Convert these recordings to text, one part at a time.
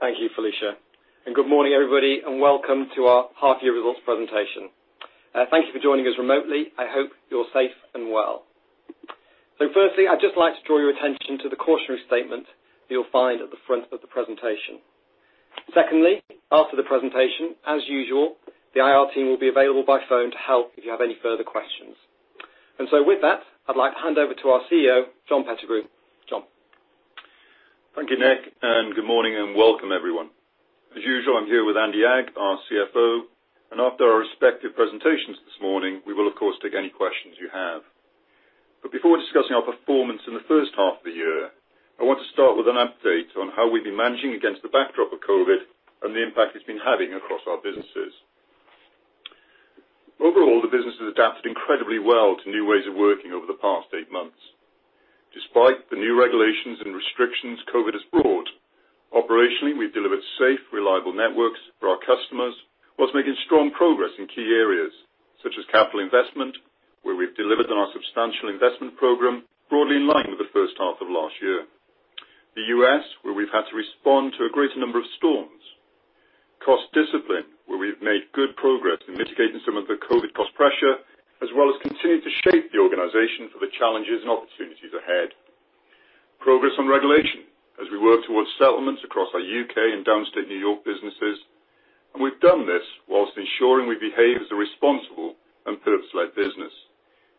Thank you, Felicia. And good morning, everybody, and welcome to our half-year results presentation. Thank you for joining us remotely. I hope you're safe and well. So firstly, I'd just like to draw your attention to the cautionary statement that you'll find at the front of the presentation. Secondly, after the presentation, as usual, the IR team will be available by phone to help if you have any further questions. And so with that, I'd like to hand over to our CEO, John Pettigrew. John. Thank you, Nick. And good morning and welcome, everyone. As usual, I'm here with Andy Agg, our CFO. And after our respective presentations this morning, we will, of course, take any questions you have. But before discussing our performance in the first half of the year, I want to start with an update on how we've been managing against the backdrop of COVID and the impact it's been having across our businesses. Overall, the business has adapted incredibly well to new ways of working over the past eight months. Despite the new regulations and restrictions COVID has brought, operationally, we've delivered safe, reliable networks for our customers, while making strong progress in key areas such as capital investment, where we've delivered on our substantial investment program, broadly in line with the first half of last year, the U.S., where we've had to respond to a greater number of storms, cost discipline, where we've made good progress in mitigating some of the COVID cost pressure, as well as continuing to shape the organization for the challenges and opportunities ahead, progress on regulation as we work towards settlements across our U.K. and downstate New York businesses, and we've done this while ensuring we behave as a responsible and purpose-led business,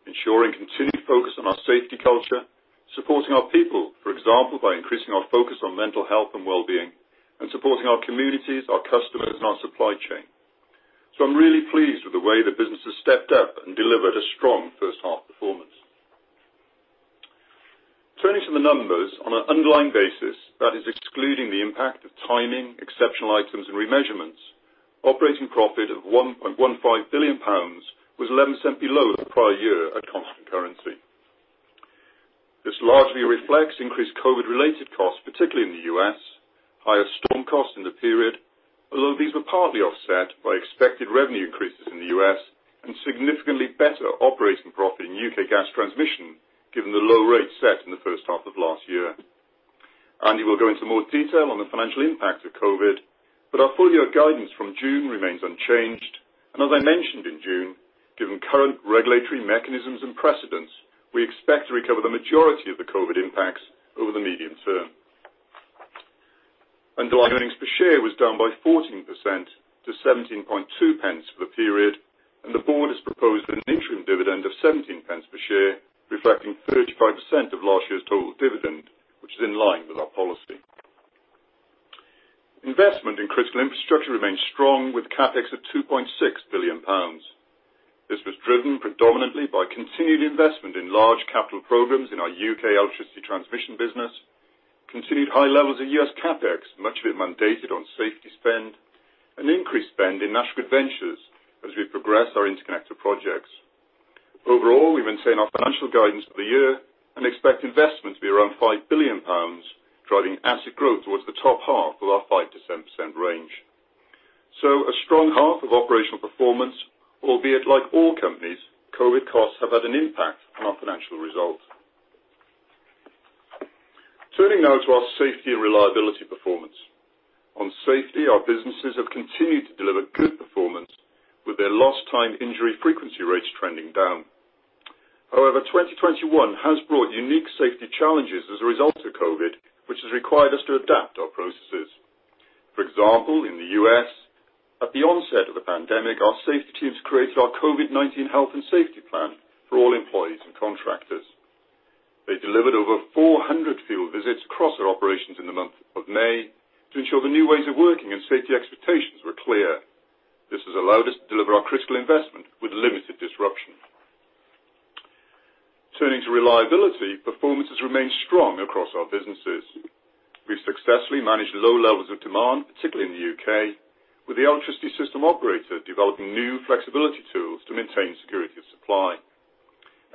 ensuring continued focus on our safety culture, supporting our people, for example, by increasing our focus on mental health and well-being, and supporting our communities, our customers, and our supply chain. I'm really pleased with the way the business has stepped up and delivered a strong first half performance. Turning to the numbers, on an underlying basis (that is, excluding the impact of timing, exceptional items, and remeasurements), operating profit of 1.15 billion pounds was 11% below the prior year at constant currency. This largely reflects increased COVID-related costs, particularly in the U.S., higher storm costs in the period, although these were partly offset by expected revenue increases in the U.S. and significantly better operating profit in U.K. gas transmission given the low rate set in the first half of last year. Andy will go into more detail on the financial impact of COVID, but our full year guidance from June remains unchanged. And as I mentioned in June, given current regulatory mechanisms and precedents, we expect to recover the majority of the COVID impacts over the medium term. Our earnings per share was down by 14% to 17.20 for the period, and the board has proposed an interim dividend of 17 per share, reflecting 35% of last year's total dividend, which is in line with our policy. Investment in critical infrastructure remains strong, with a CapEx of 2.6 billion pounds. This was driven predominantly by continued investment in large capital programs in our U.K. electricity transmission business, continued high levels of U.S. CapEx, much of it mandated on safety spend, and increased spend in National Grid Ventures as we progress our interconnector projects. Overall, we maintain our financial guidance for the year and expect investment to be around 5 billion pounds, driving asset growth towards the top half of our 5%-7% range. A strong half of operational performance, albeit like all companies, COVID costs have had an impact on our financial result. Turning now to our safety and reliability performance. On safety, our businesses have continued to deliver good performance, with their lost time injury frequency rates trending down. However, 2021 has brought unique safety challenges as a result of COVID, which has required us to adapt our processes. For example, in the U.S., at the onset of the pandemic, our safety teams created our COVID-19 health and safety plan for all employees and contractors. They delivered over 400 field visits across our operations in the month of May to ensure the new ways of working and safety expectations were clear. This has allowed us to deliver our critical investment with limited disruption. Turning to reliability, performance has remained strong across our businesses. We've successfully managed low levels of demand, particularly in the U.K., with the electricity system operator developing new flexibility tools to maintain security of supply.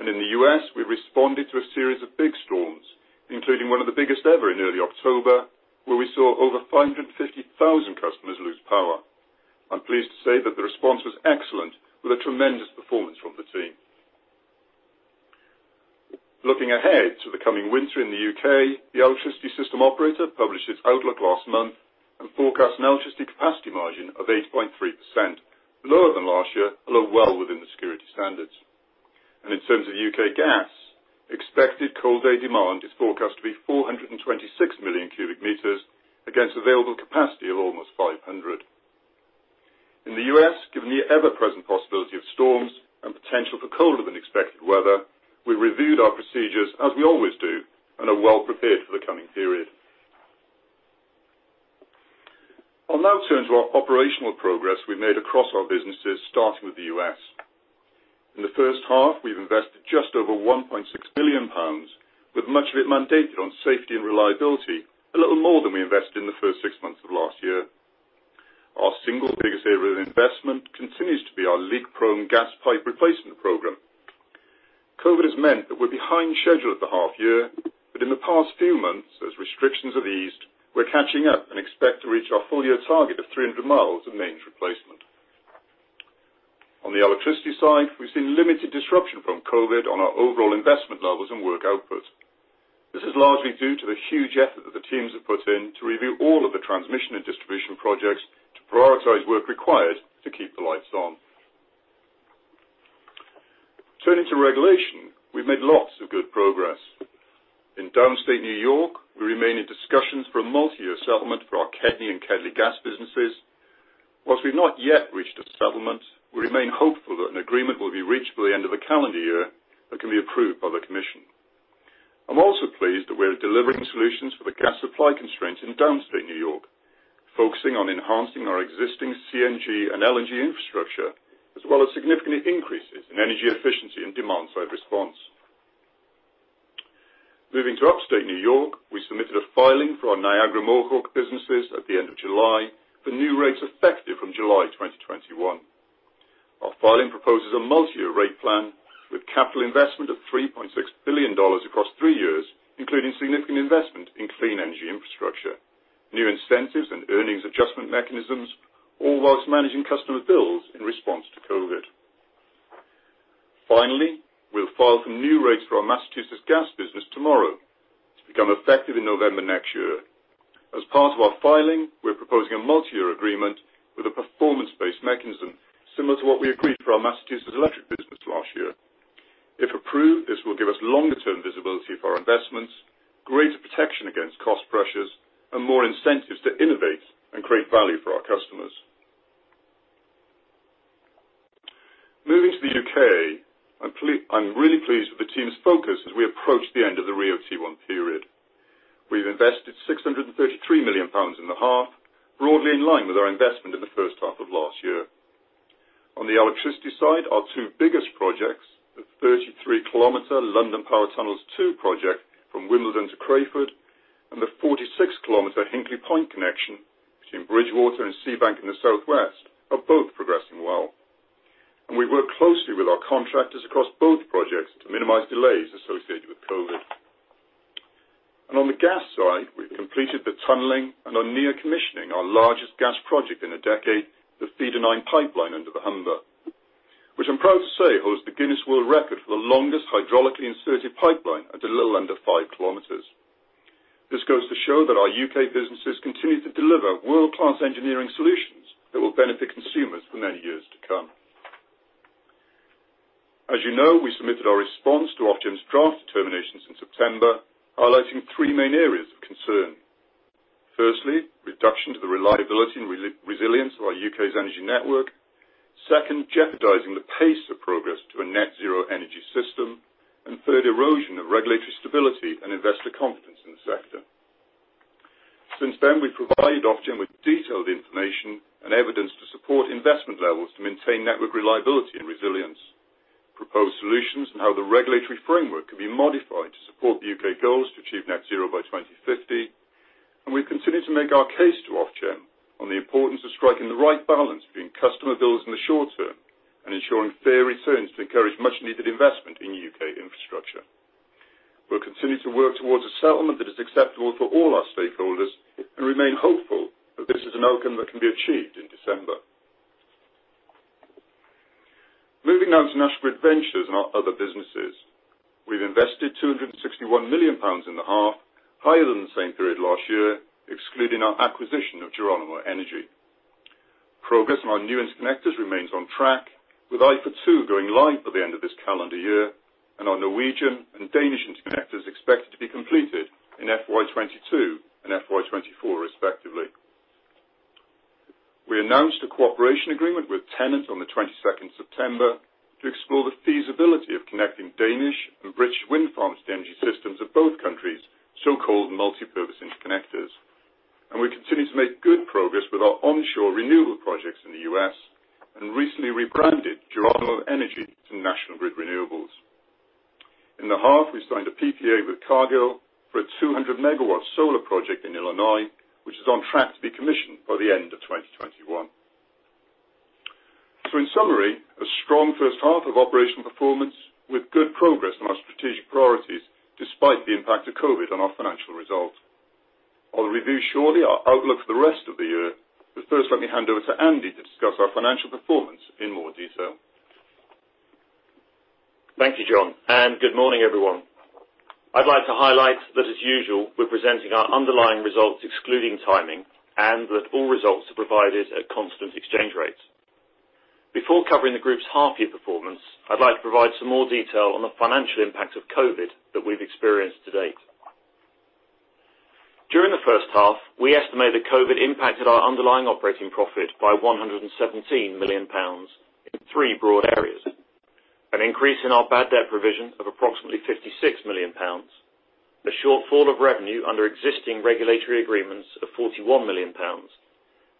In the U.S., we've responded to a series of big storms, including one of the biggest ever in early October, where we saw over 550,000 customers lose power. I'm pleased to say that the response was excellent, with a tremendous performance from the team. Looking ahead to the coming winter in the U.K., the electricity system operator published its outlook last month and forecast an electricity capacity margin of 8.3%, lower than last year, although well within the security standards. In terms of U.K. gas, expected cold day demand is forecast to be 426 million cubic meters against available capacity of almost 500. In the U.S., given the ever-present possibility of storms and potential for colder-than-expected weather, we reviewed our procedures, as we always do, and are well prepared for the coming period. I'll now turn to our operational progress we've made across our businesses, starting with the U.S. In the first half, we've invested just over 1.6 billion pounds, with much of it mandated on safety and reliability, a little more than we invested in the first six months of last year. Our single biggest area of investment continues to be our leak-prone gas pipe replacement program. COVID has meant that we're behind schedule at the half-year, but in the past few months, as restrictions have eased, we're catching up and expect to reach our full year target of 300 miles in maintenance replacement. On the electricity side, we've seen limited disruption from COVID on our overall investment levels and work output. This is largely due to the huge effort that the teams have put in to review all of the transmission and distribution projects to prioritize work required to keep the lights on. Turning to regulation, we've made lots of good progress. In downstate New York, we remain in discussions for a multi-year settlement for our KEDLI and KEDNY gas businesses. While we've not yet reached a settlement, we remain hopeful that an agreement will be reached by the end of the calendar year that can be approved by the commission. I'm also pleased that we're delivering solutions for the gas supply constraints in downstate New York, focusing on enhancing our existing CNG and LNG infrastructure, as well as significant increases in energy efficiency and demand-side response. Moving to upstate New York, we submitted a filing for our Niagara Mohawk businesses at the end of July for new rates effective from July 2021. Our filing proposes a multi-year rate plan with capital investment of $3.6 billion across three years, including significant investment in clean energy infrastructure, new incentives, and earnings adjustment mechanisms, all while managing customer bills in response to COVID. Finally, we'll file some new rates for our Massachusetts gas business tomorrow to become effective in November next year. As part of our filing, we're proposing a multi-year agreement with a performance-based mechanism similar to what we agreed for our Massachusetts electric business last year. If approved, this will give us longer-term visibility for our investments, greater protection against cost pressures, and more incentives to innovate and create value for our customers. Moving to the U.K., I'm really pleased with the team's focus as we approach the end of the RIIO-T1 period. We've invested 633 million pounds in the half, broadly in line with our investment in the first half of last year. On the electricity side, our two biggest projects, the 33 km London Power Tunnels 2 project from Wimbledon to Crayford, and the 46 km Hinkley-Seabank connection between Bridgwater and Seabank in the southwest, are both progressing well. And we work closely with our contractors across both projects to minimize delays associated with COVID. And on the gas side, we've completed the tunneling and are near commissioning our largest gas project in a decade, the Feeder 9 pipeline under the Humber, which I'm proud to say holds the Guinness World Record for the longest hydraulically inserted pipeline at a little under 5 km. This goes to show that our U.K. businesses continue to deliver world-class engineering solutions that will benefit consumers for many years to come. As you know, we submitted our response to Ofgem's draft determinations in September, highlighting three main areas of concern. Firstly, reduction to the reliability and resilience of our U.K.'s energy network. Second, jeopardizing the pace of progress to a net-zero energy system. And third, erosion of regulatory stability and investor confidence in the sector. Since then, we've provided Ofgem with detailed information and evidence to support investment levels to maintain network reliability and resilience, proposed solutions, and how the regulatory framework can be modified to support the U.K. goals to achieve net-zero by 2050. And we've continued to make our case to Ofgem on the importance of striking the right balance between customer bills in the short term and ensuring fair returns to encourage much-needed investment in U.K. infrastructure. We'll continue to work towards a settlement that is acceptable for all our stakeholders and remain hopeful that this is an outcome that can be achieved in December. Moving now to National Grid Ventures and our other businesses. We've invested 261 million pounds in the half, higher than the same period last year, excluding our acquisition of Geronimo Energy. Progress on our new interconnectors remains on track, with IFA2 going live by the end of this calendar year, and our Norwegian and Danish interconnectors expected to be completed in FY 2022 and FY 2024, respectively. We announced a cooperation agreement with TenneT on the 22nd of September to explore the feasibility of connecting Danish and British wind farms to energy systems of both countries, so-called multi-purpose interconnectors, and we continue to make good progress with our onshore renewable projects in the U.S. and recently rebranded Geronimo Energy to National Grid Renewables. In the half, we signed a PPA with Cargill for a 200MW solar project in Illinois, which is on track to be commissioned by the end of 2021, so in summary, a strong first half of operational performance with good progress on our strategic priorities, despite the impact of COVID on our financial result. I'll review shortly our outlook for the rest of the year, but first, let me hand over to Andy to discuss our financial performance in more detail. Thank you, John, and good morning, everyone. I'd like to highlight that, as usual, we're presenting our underlying results, excluding timing, and that all results are provided at constant exchange rates. Before covering the group's half-year performance, I'd like to provide some more detail on the financial impact of COVID that we've experienced to date. During the first half, we estimate that COVID impacted our underlying operating profit by 117 million pounds in three broad areas: an increase in our bad debt provision of approximately 56 million pounds, a shortfall of revenue under existing regulatory agreements of 41 million pounds,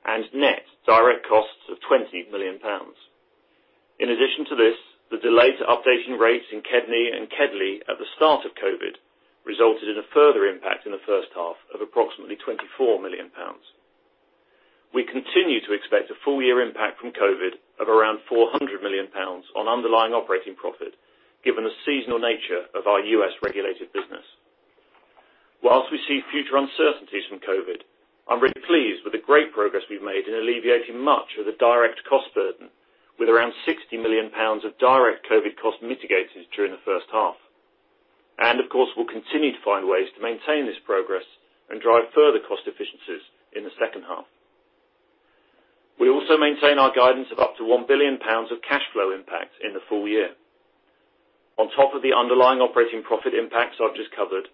and net direct costs of 20 million pounds. In addition to this, the delay to updating rates in KEDLI and KEDNY at the start of COVID resulted in a further impact in the first half of approximately 24 million pounds. We continue to expect a full year impact from COVID of around 400 million pounds on underlying operating profit, given the seasonal nature of our U.S.-regulated business. Whilst we see future uncertainties from COVID, I'm really pleased with the great progress we've made in alleviating much of the direct cost burden, with around 60 million pounds of direct COVID cost mitigated during the first half. And, of course, we'll continue to find ways to maintain this progress and drive further cost efficiencies in the second half. We also maintain our guidance of up to 1 billion pounds of cash flow impact in the full year. On top of the underlying operating profit impacts I've just covered,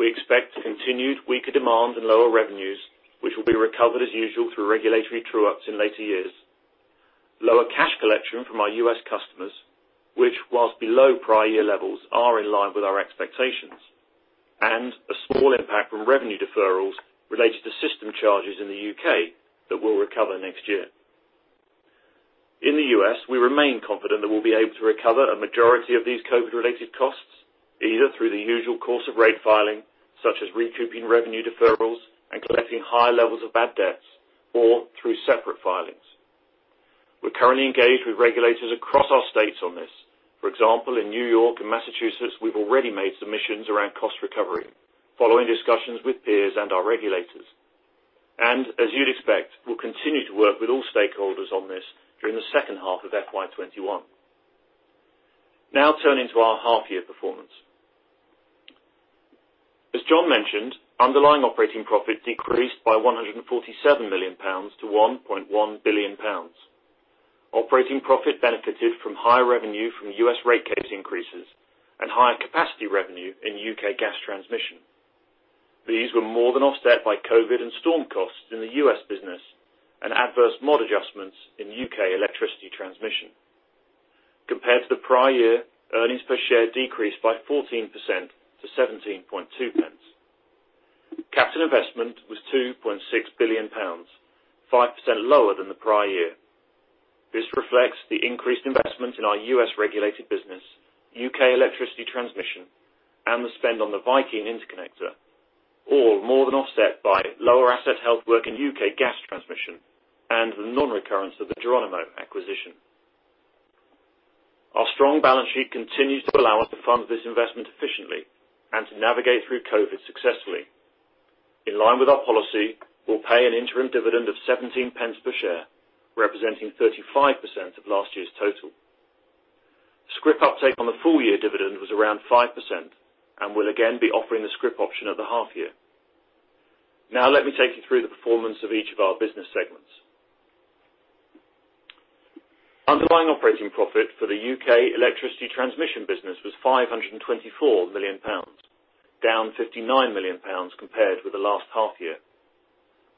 we expect continued weaker demand and lower revenues, which will be recovered as usual through regulatory true-ups in later years, lower cash collection from our U.S. customers, which, while below prior year levels, are in line with our expectations, and a small impact from revenue deferrals related to system charges in the U.K. that will recover next year. In the U.S., we remain confident that we'll be able to recover a majority of these COVID-related costs, either through the usual course of rate filing, such as recouping revenue deferrals and collecting high levels of bad debts, or through separate filings. We're currently engaged with regulators across our states on this. For example, in New York and Massachusetts, we've already made submissions around cost recovery, following discussions with peers and our regulators. And, as you'd expect, we'll continue to work with all stakeholders on this during the second half of FY 2021. Now, turning to our half-year performance. As John mentioned, underlying operating profit decreased by 147 million pounds to 1.1 billion pounds. Operating profit benefited from higher revenue from U.S. rate cap increases and higher capacity revenue in U.K. gas transmission. These were more than offset by COVID and storm costs in the U.S. business and adverse MOD adjustments in U.K. electricity transmission. Compared to the prior year, earnings per share decreased by 14% to 17.2. Capital investment was 2.6 billion pounds, 5% lower than the prior year. This reflects the increased investment in our U.S.-regulated business, U.K. electricity transmission, and the spend on the Viking Link, all more than offset by lower asset health work in U.K. gas transmission and the non-recurrence of the Geronimo acquisition. Our strong balance sheet continues to allow us to fund this investment efficiently and to navigate through COVID successfully. In line with our policy, we'll pay an interim dividend of 17 per share, representing 35% of last year's total. scrip uptake on the full year dividend was around 5%, and we'll again be offering the scrip option at the half-year. Now, let me take you through the performance of each of our business segments. Underlying operating profit for the U.K. electricity transmission business was 524 million pounds, down 59 million pounds compared with the last half-year.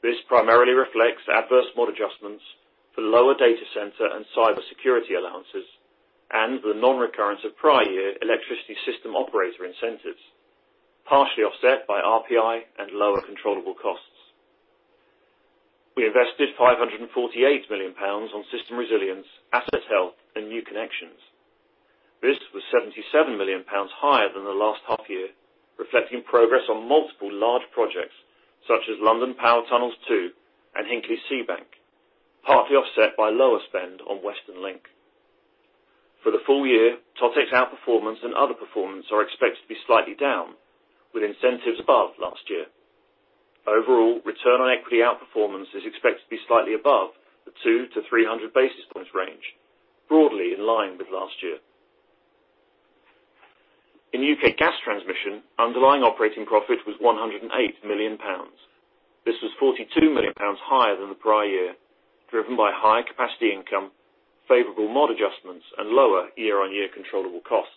This primarily reflects adverse MOD adjustments for lower data center and cybersecurity allowances and the non-recurrence of prior year electricity system operator incentives, partially offset by RPI and lower controllable costs. We invested 548 million pounds on system resilience, asset health, and new connections. This was 77 million pounds higher than the last half-year, reflecting progress on multiple large projects such as London Power Tunnels 2 and Hinkley-Seabank, partly offset by lower spend on Western Link. For the full year, Totex's outperformance and other performance are expected to be slightly down, with incentives above last year. Overall, return on equity outperformance is expected to be slightly above the 200-300 basis points range, broadly in line with last year. In U.K. gas transmission, underlying operating profit was 108 million pounds. This was 42 million pounds higher than the prior year, driven by higher capacity income, favorable MOD adjustments, and lower year-on-year controllable costs.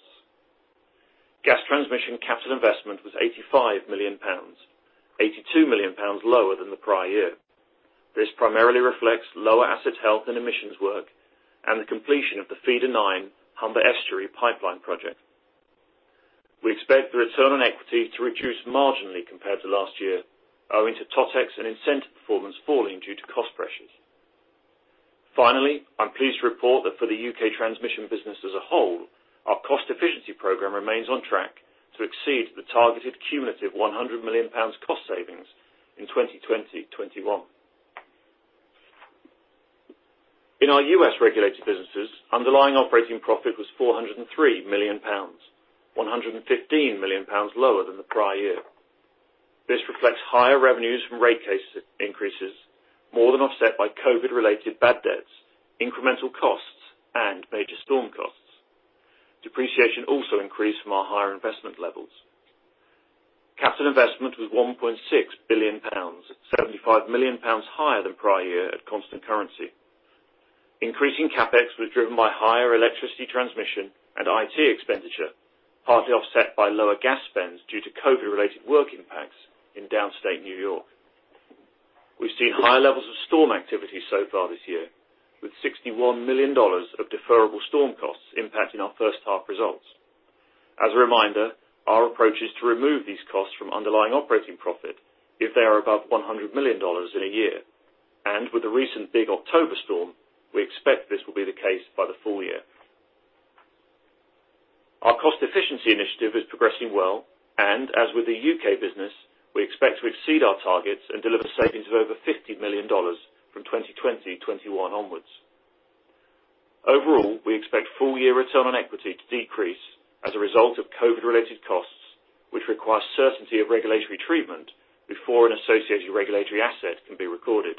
Gas transmission capital investment was 85 million pounds, 82 million pounds lower than the prior year. This primarily reflects lower asset health and emissions work and the completion of the Feeder 9 Humber Estuary pipeline project. We expect the return on equity to reduce marginally compared to last year, owing to Totex and incentives performance falling due to cost pressures. Finally, I'm pleased to report that for the U.K. transmission business as a whole, our cost efficiency program remains on track to exceed the targeted cumulative GBP 100 million cost savings in 2020-2021. In our U.S.-regulated businesses, underlying operating profit was 403 million pounds, 115 million pounds lower than the prior year. This reflects higher revenues from rate cap increases, more than offset by COVID-related bad debts, incremental costs, and major storm costs. Depreciation also increased from our higher investment levels. Capital investment was 1.6 billion pounds, 75 million pounds higher than prior year at constant currency. Increasing CapEx was driven by higher electricity transmission and IT expenditure, partly offset by lower gas spends due to COVID-related work impacts in downstate New York. We've seen higher levels of storm activity so far this year, with $61 million of deferable storm costs impacting our first half results. As a reminder, our approach is to remove these costs from underlying operating profit if they are above $100 million in a year, and with the recent big October storm, we expect this will be the case by the full year. Our cost efficiency initiative is progressing well, and as with the U.K. business, we expect to exceed our targets and deliver savings of over $50 million from 2020-2021 onwards. Overall, we expect full year return on equity to decrease as a result of COVID-related costs, which require certainty of regulatory treatment before an associated regulatory asset can be recorded.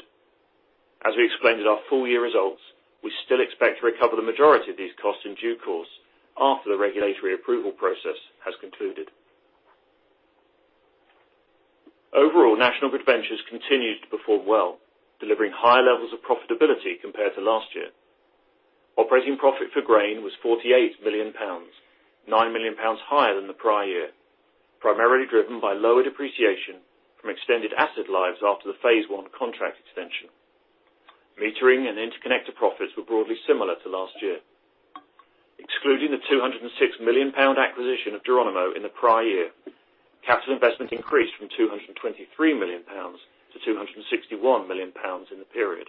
As we explained in our full year results, we still expect to recover the majority of these costs in due course after the regulatory approval process has concluded. Overall, National Grid Ventures continues to perform well, delivering higher levels of profitability compared to last year. Operating profit for Grain was 48 million pounds, 9 million pounds higher than the prior year, primarily driven by lower depreciation from extended asset lives after the phase one contract extension. Metering and interconnector profits were broadly similar to last year. Excluding the 206 million pound acquisition of Geronimo in the prior year, capital investment increased from 223 million pounds to 261 million pounds in the period.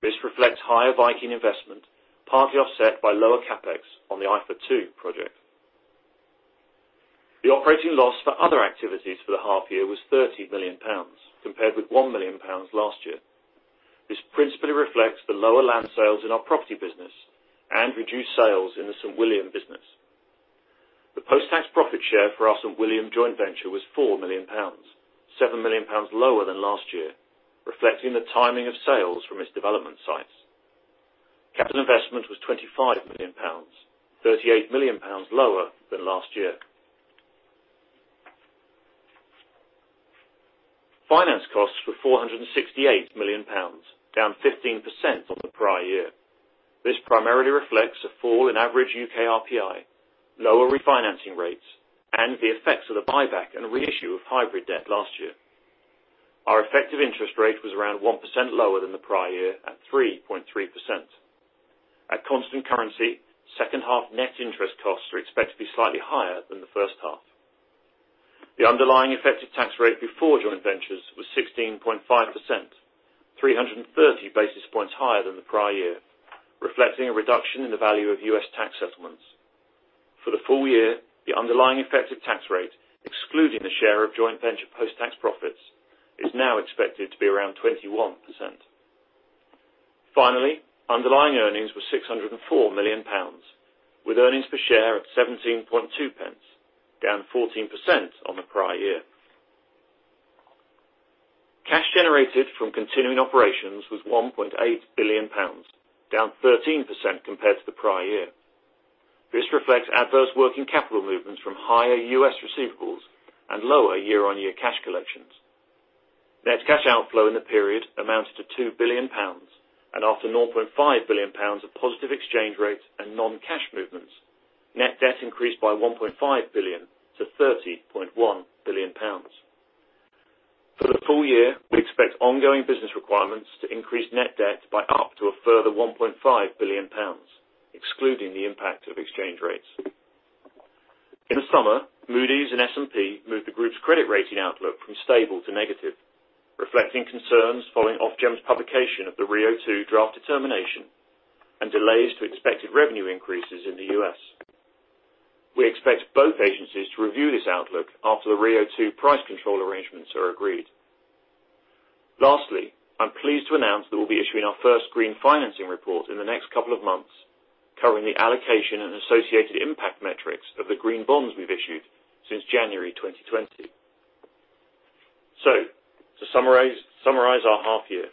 This reflects higher Viking investment, partly offset by lower CapEx on the IFA2 project. The operating loss for other activities for the half-year was 30 million pounds compared with 1 million pounds last year. This principally reflects the lower land sales in our property business and reduced sales in the St William business. The post-tax profit share for our St William Joint Venture was 4 million pounds, 7 million pounds lower than last year, reflecting the timing of sales from its development sites. Capital investment was 25 million pounds, 38 million pounds lower than last year. Finance costs were 468 million pounds, down 15% from the prior year. This primarily reflects a fall in average U.K. RPI, lower refinancing rates, and the effects of the buyback and reissue of hybrid debt last year. Our effective interest rate was around 1% lower than the prior year at 3.3%. At constant currency, second half net interest costs are expected to be slightly higher than the first half. The underlying effective tax rate before Joint Ventures was 16.5%, 330 basis points higher than the prior year, reflecting a reduction in the value of U.S. tax settlements. For the full year, the underlying effective tax rate, excluding the share of Joint Venture post-tax profits, is now expected to be around 21%. Finally, underlying earnings were 604 million pounds, with earnings per share at 17.2, down 14% from the prior year. Cash generated from continuing operations was 1.8 billion pounds, down 13% compared to the prior year. This reflects adverse working capital movements from higher U.S. receivables and lower year-on-year cash collections. Net cash outflow in the period amounted to 2 billion pounds, and after 0.5 billion pounds of positive exchange rates and non-cash movements, net debt increased by 1.5 billion-30.1 billion pounds. For the full year, we expect ongoing business requirements to increase net debt by up to a further 1.5 billion pounds, excluding the impact of exchange rates. In the summer, Moody's and S&P moved the group's credit rating outlook from stable to negative, reflecting concerns following Ofgem's publication of the RIIO-2 draft determination and delays to expected revenue increases in the U.S. We expect both agencies to review this outlook after the RIIO-2 price control arrangements are agreed. Lastly, I'm pleased to announce that we'll be issuing our first green financing report in the next couple of months, covering the allocation and associated impact metrics of the green bonds we've issued since January 2020. So, to summarize our half-year,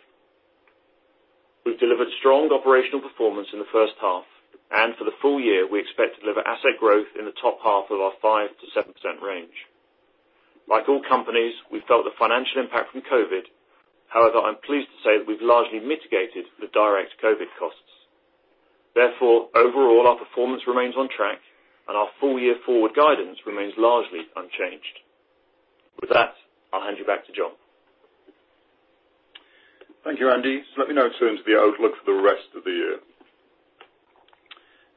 we've delivered strong operational performance in the first half, and for the full year, we expect to deliver asset growth in the top half of our 5%-7% range. Like all companies, we felt the financial impact from COVID, however, I'm pleased to say that we've largely mitigated the direct COVID costs. Therefore, overall, our performance remains on track, and our full year forward guidance remains largely unchanged. With that, I'll hand you back to John. Thank you, Andy. So let me now turn to the outlook for the rest of the year.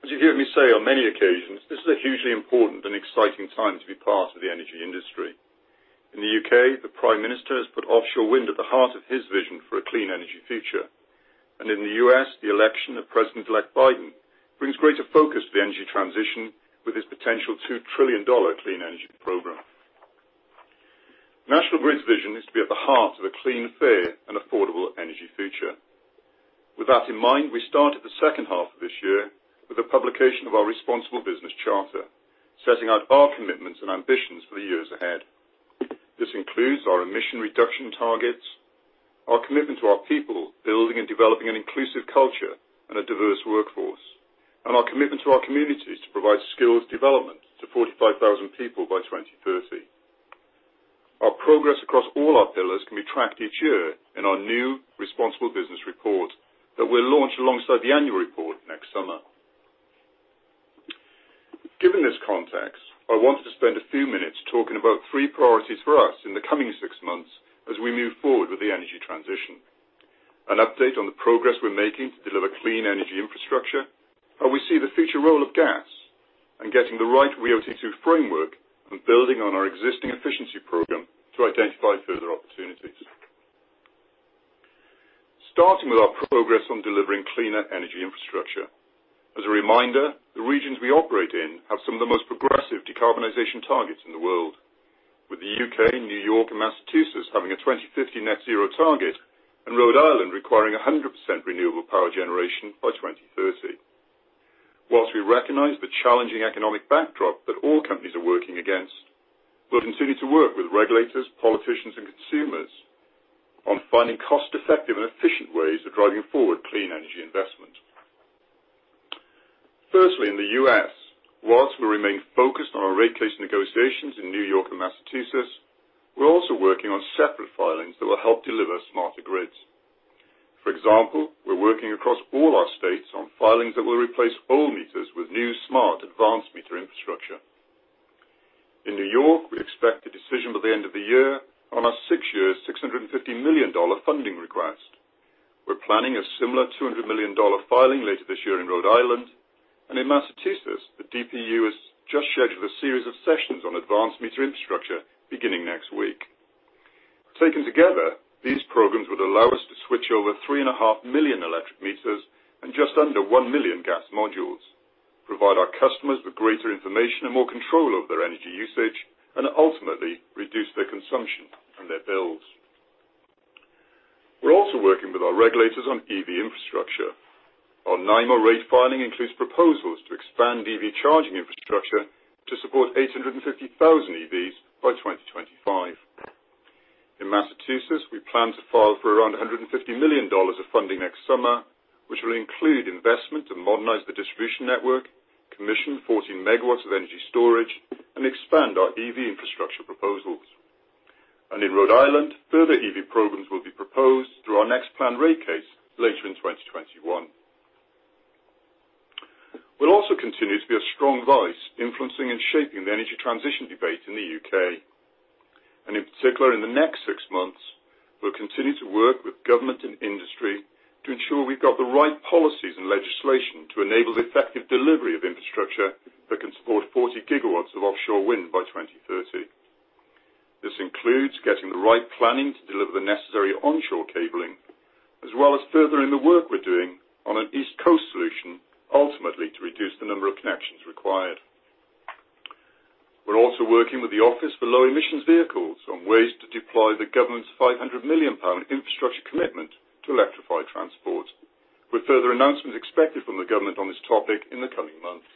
As you've heard me say on many occasions, this is a hugely important and exciting time to be part of the energy industry. In the U.K., the Prime Minister has put offshore wind at the heart of his vision for a clean energy future. And in the U.S., the election of President-elect Biden brings greater focus to the energy transition with his potential $2 trillion clean energy program. National Grid's vision is to be at the heart of a clean, fair, and affordable energy future. With that in mind, we started the second half of this year with the publication of our Responsible Business Charter, setting out our commitments and ambitions for the years ahead. This includes our emission reduction targets, our commitment to our people, building and developing an inclusive culture and a diverse workforce, and our commitment to our communities to provide skills development to 45,000 people by 2030. Our progress across all our pillars can be tracked each year in our new Responsible Business Report that we'll launch alongside the annual report next summer. Given this context, I wanted to spend a few minutes talking about three priorities for us in the coming six months as we move forward with the energy transition: an update on the progress we're making to deliver clean energy infrastructure, how we see the future role of gas, and getting the right RIIO-2 framework and building on our existing efficiency program to identify further opportunities. Starting with our progress on delivering cleaner energy infrastructure. As a reminder, the regions we operate in have some of the most progressive decarbonization targets in the world, with the U.K., New York, and Massachusetts having a 2050 Net Zero target and Rhode Island requiring 100% renewable power generation by 2030. While we recognize the challenging economic backdrop that all companies are working against, we'll continue to work with regulators, politicians, and consumers on finding cost-effective and efficient ways of driving forward clean energy investment. Firstly, in the U.S., while we remain focused on our rate case negotiations in New York and Massachusetts, we're also working on separate filings that will help deliver smarter grids. For example, we're working across all our states on filings that will replace all meters with new smart advanced meter infrastructure. In New York, we expect a decision by the end of the year on our six-year $650 million funding request. We're planning a similar $200 million filing later this year in Rhode Island, and in Massachusetts, the DPU has just scheduled a series of sessions on advanced meter infrastructure beginning next week. Taken together, these programs would allow us to switch over 3.5 million electric meters and just under 1 million gas modules, provide our customers with greater information and more control over their energy usage, and ultimately reduce their consumption and their bills. We're also working with our regulators on EV infrastructure. Our NIMO rate filing includes proposals to expand EV charging infrastructure to support 850,000 EVs by 2025. In Massachusetts, we plan to file for around $150 million of funding next summer, which will include investment to modernize the distribution network, commission 14 MW of energy storage, and expand our EV infrastructure proposals. And in Rhode Island, further EV programs will be proposed through our next planned rate case later in 2021. We'll also continue to be a strong voice influencing and shaping the energy transition debate in the U.K. In particular, in the next six months, we'll continue to work with government and industry to ensure we've got the right policies and legislation to enable the effective delivery of infrastructure that can support 40 GW of offshore wind by 2030. This includes getting the right planning to deliver the necessary onshore cabling, as well as furthering the work we're doing on an East Coast solution, ultimately to reduce the number of connections required. We're also working with the Office for Low Emission Vehicles on ways to deploy the government's 500 million pound infrastructure commitment to electrify transport, with further announcements expected from the government on this topic in the coming months.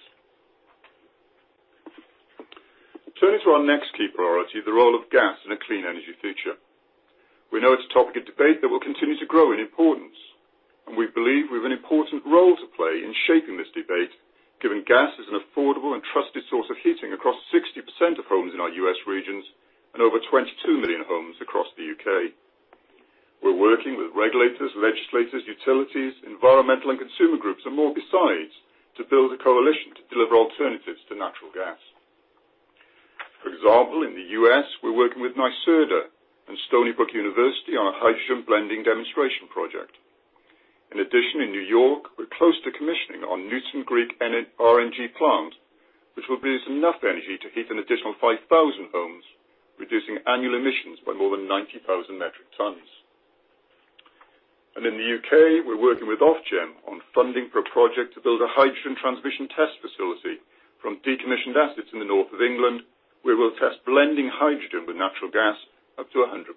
Turning to our next key priority, the role of gas in a clean energy future. We know it's a topic of debate that will continue to grow in importance, and we believe we have an important role to play in shaping this debate, given gas is an affordable and trusted source of heating across 60% of homes in our U.S. regions and over 22 million homes across the U.K. We're working with regulators, legislators, utilities, environmental and consumer groups, and more besides to build a coalition to deliver alternatives to natural gas. For example, in the U.S., we're working with NYSERDA and Stony Brook University on a hydrogen blending demonstration project. In addition, in New York, we're close to commissioning our Newtown Creek RNG plant, which will produce enough energy to heat an additional 5,000 homes, reducing annual emissions by more than 90,000 metric tons. In the U.K., we're working with Ofgem on funding for a project to build a hydrogen transmission test facility from decommissioned assets in the north of England, where we'll test blending hydrogen with natural gas up to 100%.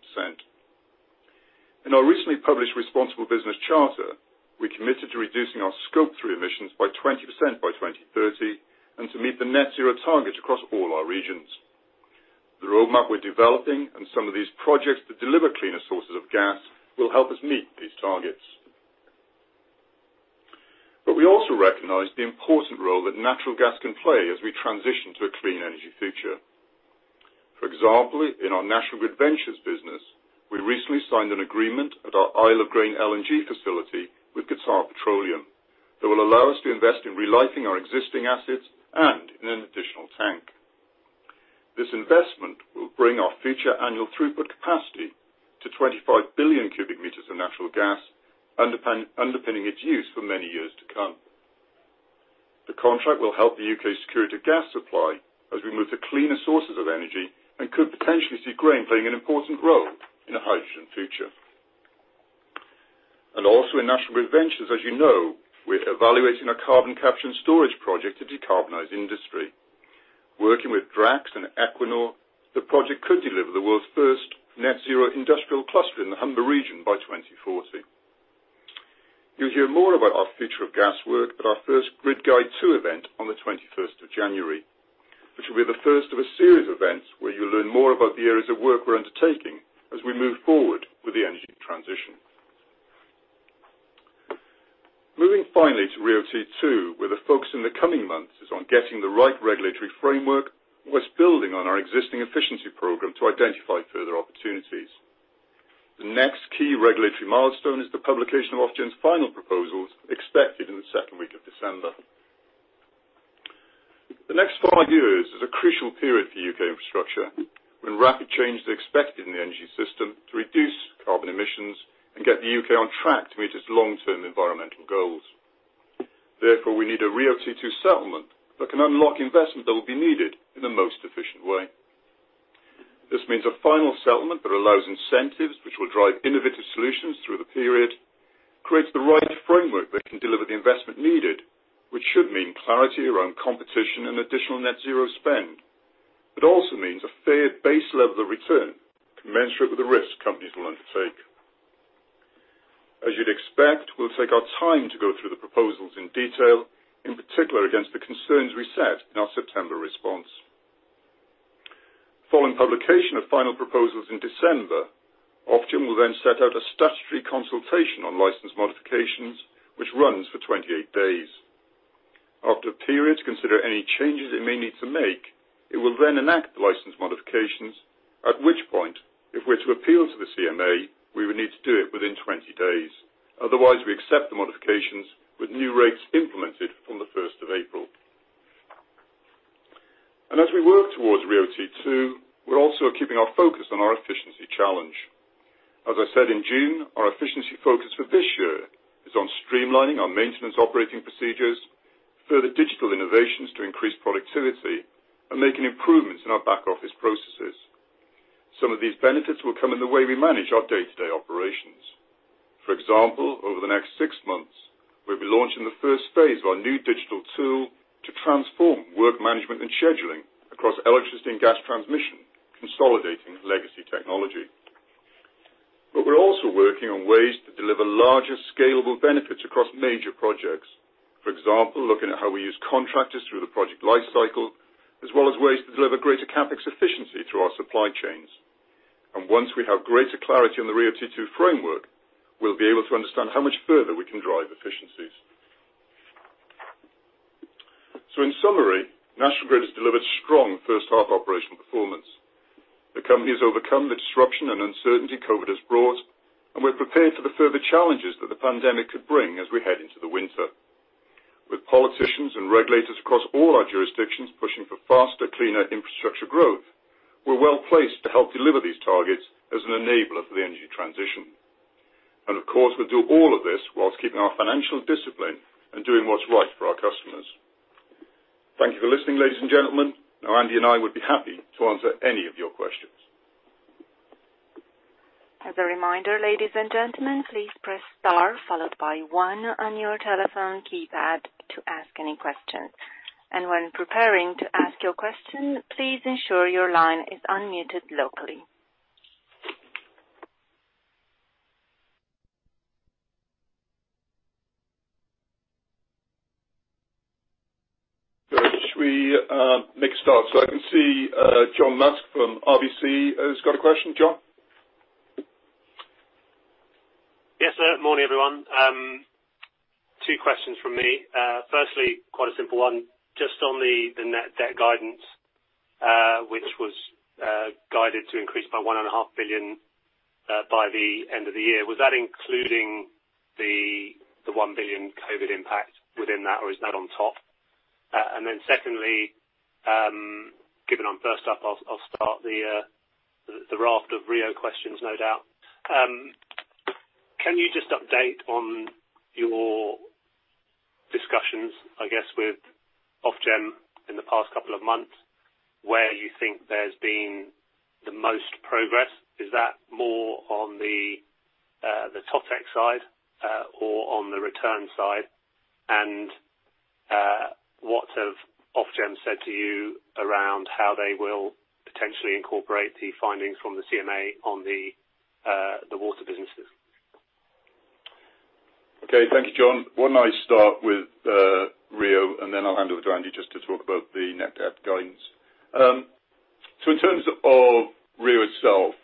In our recently published Responsible Business Charter, we committed to reducing our Scope 3 emissions by 20% by 2030 and to meet the Net Zero target across all our regions. The roadmap we're developing and some of these projects to deliver cleaner sources of gas will help us meet these targets. But we also recognize the important role that natural gas can play as we transition to a clean energy future. For example, in our National Grid Ventures business, we recently signed an agreement at our Isle of Grain LNG facility with Qatar Petroleum that will allow us to invest in reliquefying our existing assets and in an additional tank. This investment will bring our future annual throughput capacity to 25 billion cubic meters of natural gas, underpinning its use for many years to come. The contract will help the U.K. secure its gas supply as we move to cleaner sources of energy and could potentially see Grain playing an important role in a hydrogen future. And also in National Grid Ventures, as you know, we're evaluating a carbon capture and storage project to decarbonize industry. Working with Drax and Equinor, the project could deliver the world's first net zero industrial cluster in the Humber region by 2040. You'll hear more about our future of gas work at our first Grid Guide 2 event on the 21st of January, which will be the first of a series of events where you'll learn more about the areas of work we're undertaking as we move forward with the energy transition. Moving finally to RIIO-2, where the focus in the coming months is on getting the right regulatory framework and what's building on our existing efficiency program to identify further opportunities. The next key regulatory milestone is the publication of Ofgem's final proposals, expected in the second week of December. The next five years is a crucial period for U.K. infrastructure when rapid changes are expected in the energy system to reduce carbon emissions and get the U.K. on track to meet its long-term environmental goals. Therefore, we need a RIIO-2 settlement that can unlock investment that will be needed in the most efficient way. This means a final settlement that allows incentives, which will drive innovative solutions through the period, creates the right framework that can deliver the investment needed, which should mean clarity around competition and additional net zero spend, but also means a fair base level of return commensurate with the risks companies will undertake. As you'd expect, we'll take our time to go through the proposals in detail, in particular against the concerns we set in our September response. Following publication of final proposals in December, Ofgem will then set out a statutory consultation on license modifications, which runs for 28 days. After a period to consider any changes it may need to make, it will then enact the license modifications, at which point, if we're to appeal to the CMA, we would need to do it within 20 days. Otherwise, we accept the modifications with new rates implemented from the 1st of April. And as we work towards RIIO-2, we're also keeping our focus on our efficiency challenge. As I said in June, our efficiency focus for this year is on streamlining our maintenance operating procedures, further digital innovations to increase productivity, and making improvements in our back office processes. Some of these benefits will come in the way we manage our day-to-day operations. For example, over the next six months, we'll be launching the first phase of our new digital tool to transform work management and scheduling across electricity and gas transmission, consolidating legacy technology. But we're also working on ways to deliver larger, scalable benefits across major projects. For example, looking at how we use contractors through the project lifecycle, as well as ways to deliver greater CapEx efficiency through our supply chains. And once we have greater clarity on the RIIO-2 framework, we'll be able to understand how much further we can drive efficiencies. So in summary, National Grid has delivered strong first half operational performance. The company has overcome the disruption and uncertainty COVID has brought, and we're prepared for the further challenges that the pandemic could bring as we head into the winter. With politicians and regulators across all our jurisdictions pushing for faster, cleaner infrastructure growth, we're well placed to help deliver these targets as an enabler for the energy transition. And of course, we'll do all of this whilst keeping our financial discipline and doing what's right for our customers. Thank you for listening, ladies and gentlemen. Now, Andy and I would be happy to answer any of your questions. As a reminder, ladies and gentlemen, please press star followed by one on your telephone keypad to ask any questions. And when preparing to ask your question, please ensure your line is unmuted locally. Should we make a start? So I can see John Musk from RBC has got a question. John? Yes, sir. Morning, everyone. Two questions from me. Firstly, quite a simple one. Just on the net debt guidance, which was guided to increase by 1.5 billion by the end of the year, was that including the 1 billion COVID impact within that, or is that on top? And then secondly, given I'm first up, I'll start the raft of RIIO questions, no doubt. Can you just update on your discussions, I guess, with Ofgem in the past couple of months where you think there's been the most progress? Is that more on the Totex side or on the return side? And what have Ofgem said to you around how they will potentially incorporate the findings from the CMA on the water businesses? Okay. Thank you, John. Why don't I start with RIIO, and then I'll hand over to Andy just to talk about the net debt guidance. So in terms of RIIO itself,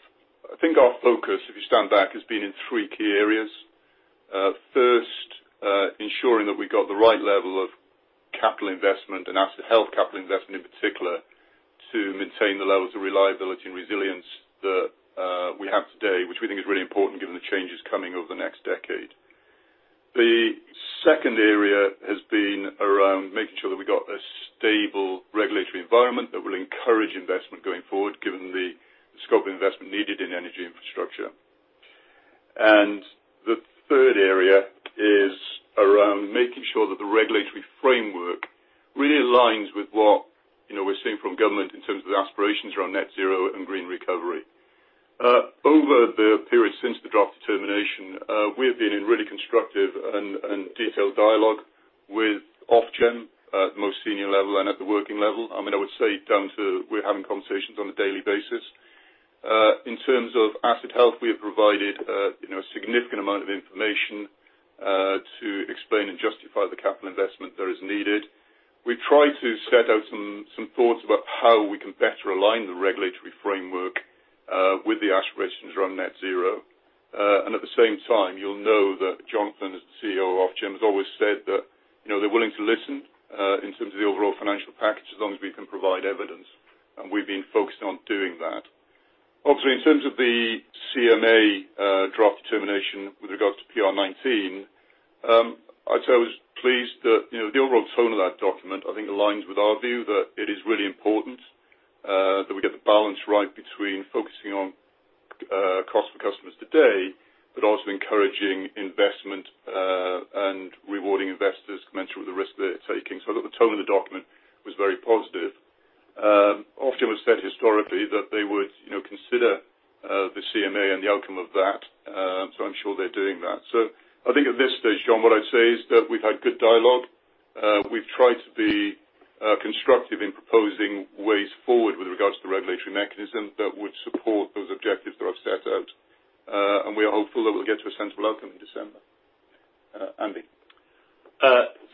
I think our focus, if you stand back, has been in three key areas. First, ensuring that we've got the right level of capital investment and asset health capital investment in particular to maintain the levels of reliability and resilience that we have today, which we think is really important given the changes coming over the next decade. The second area has been around making sure that we've got a stable regulatory environment that will encourage investment going forward, given the scope of investment needed in energy infrastructure. And the third area is around making sure that the regulatory framework really aligns with what we're seeing from government in terms of the aspirations around Net Zero and green recovery. Over the period since the draft determination, we have been in really constructive and detailed dialogue with Ofgem at the most senior level and at the working level. I mean, I would say down to we're having conversations on a daily basis. In terms of Asset Health, we have provided a significant amount of information to explain and justify the capital investment that is needed. We've tried to set out some thoughts about how we can better align the regulatory framework with the aspirations around Net Zero. At the same time, you'll know that Jonathan, as the CEO of Ofgem, has always said that they're willing to listen in terms of the overall financial package as long as we can provide evidence. We've been focused on doing that. Obviously, in terms of the CMA draft determination with regards to PR19, I'd say I was pleased that the overall tone of that document, I think, aligns with our view that it is really important that we get the balance right between focusing on cost for customers today, but also encouraging investment and rewarding investors, commensurate with the risk they're taking. I thought the tone of the document was very positive. Ofgem has said historically that they would consider the CMA and the outcome of that, so I'm sure they're doing that. I think at this stage, John, what I'd say is that we've had good dialogue. We've tried to be constructive in proposing ways forward with regards to the regulatory mechanism that would support those objectives that I've set out. And we are hopeful that we'll get to a sensible outcome in December. Andy.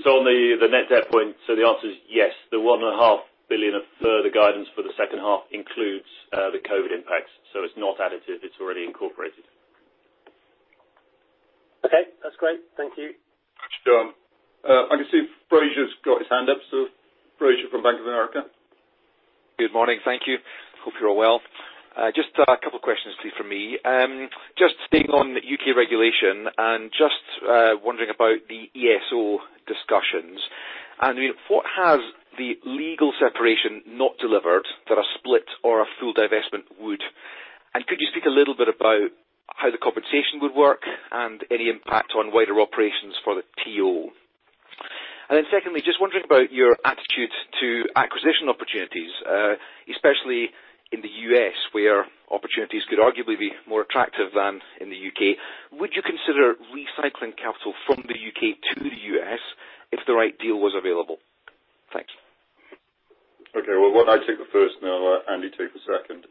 So on the net debt point, so the answer is yes. The 1.5 billion of further guidance for the second half includes the COVID impacts. So it's not additive. It's already incorporated. Okay. That's great. Thank you. Thanks, John. I can see Fraser's got his hand up. So Fraser from Bank of America. Good morning. Thank you. Hope you're well. Just a couple of questions, please, from me. Just staying on U.K. regulation and just wondering about the ESO discussions. What has the legal separation not delivered that a split or a full divestment would? And could you speak a little bit about how the compensation would work and any impact on wider operations for the TO? And then secondly, just wondering about your attitude to acquisition opportunities, especially in the U.S., where opportunities could arguably be more attractive than in the U.K. Would you consider recycling capital from the U.K. to the U.S. if the right deal was available? Thanks. Okay. Why don't I take the first, and then I'll let Andy take the second.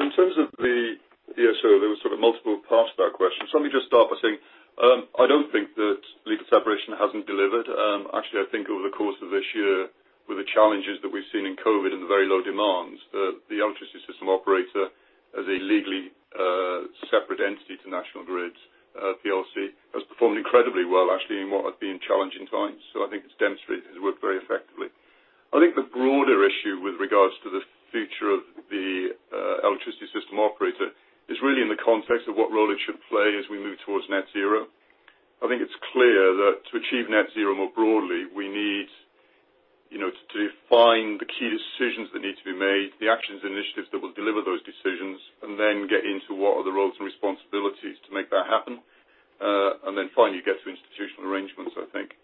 In terms of the ESO, there were sort of multiple parts to that question. Let me just start by saying I don't think that legal separation hasn't delivered. Actually, I think over the course of this year, with the challenges that we've seen in COVID and the very low demands, that the electricity system operator, as a legally separate entity to National Grid plc, has performed incredibly well, actually, in what have been challenging times. So I think it's demonstrated it has worked very effectively. I think the broader issue with regards to the future of the electricity system operator is really in the context of what role it should play as we move towards net zero. I think it's clear that to achieve net zero more broadly, we need to define the key decisions that need to be made, the actions and initiatives that will deliver those decisions, and then get into what are the roles and responsibilities to make that happen, and then finally get to institutional arrangements, I think.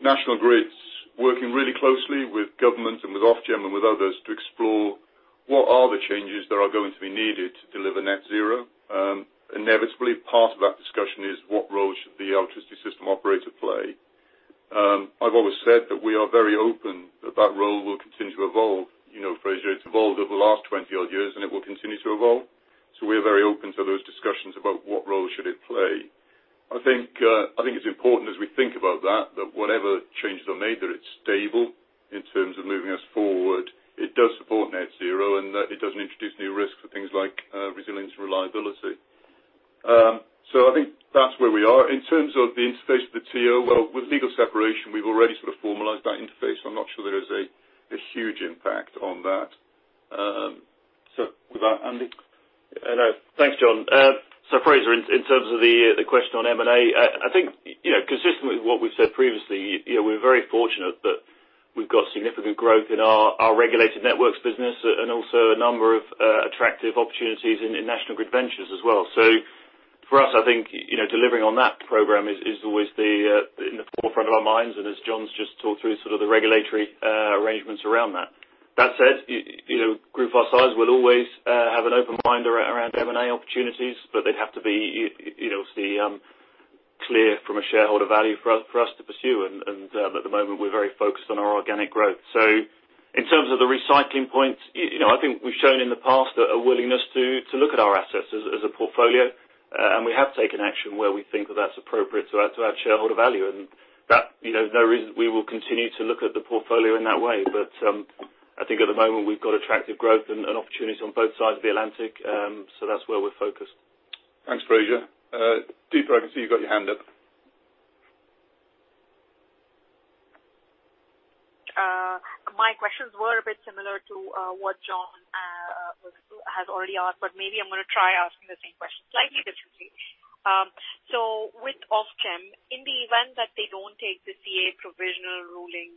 National Grid's working really closely with government and with Ofgem and with others to explore what are the changes that are going to be needed to deliver Net Zero. Inevitably, part of that discussion is what role should the Electricity System Operator play? I've always said that we are very open that that role will continue to evolve. FES has evolved over the last 20-odd years, and it will continue to evolve. So we are very open to those discussions about what role should it play. I think it's important, as we think about that, that whatever changes are made, that it's stable in terms of moving us forward. It does support Net Zero, and it doesn't introduce new risks for things like resilience and reliability, so I think that's where we are. In terms of the interface of the TO, well, with legal separation, we've already sort of formalized that interface. I'm not sure there is a huge impact on that. So with that, Andy? Thanks, John. So Fraser, in terms of the question on M&A, I think consistent with what we've said previously, we're very fortunate that we've got significant growth in our regulated networks business and also a number of attractive opportunities in National Grid Ventures as well. So for us, I think delivering on that program is always in the forefront of our minds, and as John's just talked through, sort of the regulatory arrangements around that. That said, a group of our size will always have an open mind around M&A opportunities, but they'd have to be obviously clear from a shareholder value for us to pursue. And at the moment, we're very focused on our organic growth. So in terms of the recycling points, I think we've shown in the past a willingness to look at our assets as a portfolio, and we have taken action where we think that that's appropriate to add shareholder value, and there's no reason we will continue to look at the portfolio in that way. But I think at the moment, we've got attractive growth and opportunities on both sides of the Atlantic, so that's where we're focused. Thanks, Fraser. Deepa, I can see you've got your hand up. My questions were a bit similar to what John has already asked, but maybe I'm going to try asking the same question slightly differently. With Ofgem, in the event that they don't take the CMA provisional ruling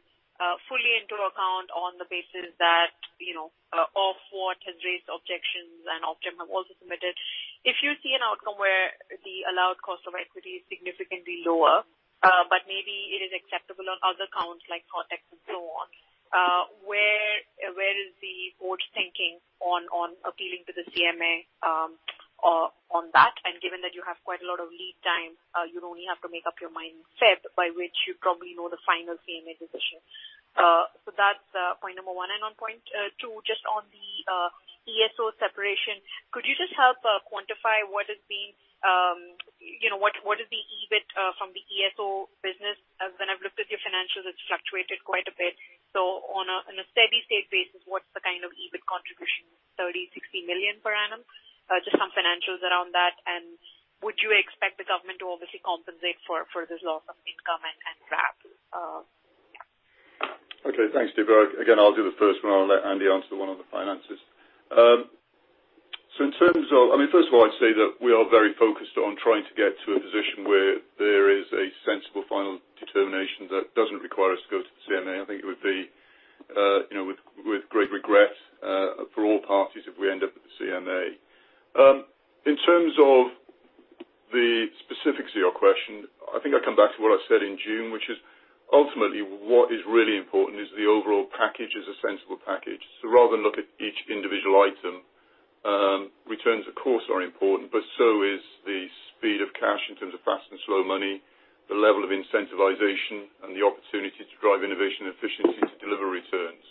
fully into account on the basis that Ofwat has raised objections and Ofgem have also submitted, if you see an outcome where the allowed cost of equity is significantly lower, but maybe it is acceptable on other counts like Totex and so on, where is the board thinking on appealing to the CMA on that? And given that you have quite a lot of lead time, you'd only have to make up your mind in February, by which you'd probably know the final CMA decision. So that's point number one. And on point two, just on the ESO separation, could you just help quantify what is the EBIT from the ESO business? When I've looked at your financials, it's fluctuated quite a bit. On a steady-state basis, what's the kind of EBIT contribution? 30 million-60 million per annum? Just some financials around that. And would you expect the government to obviously compensate for this loss of income and RPI RAV? Yeah. Okay. Thanks, Deepa. Again, I'll do the first one. I'll let Andy answer the one on the finances. So in terms of I mean, first of all, I'd say that we are very focused on trying to get to a position where there is a sensible final determination that doesn't require us to go to the CMA. I think it would be with great regret for all parties if we end up at the CMA. In terms of the specifics of your question, I think I come back to what I said in June, which is ultimately what is really important is the overall package as a sensible package. So rather than look at each individual item, returns of course are important, but so is the speed of cash in terms of fast and slow money, the level of incentivization, and the opportunity to drive innovation and efficiency to deliver returns,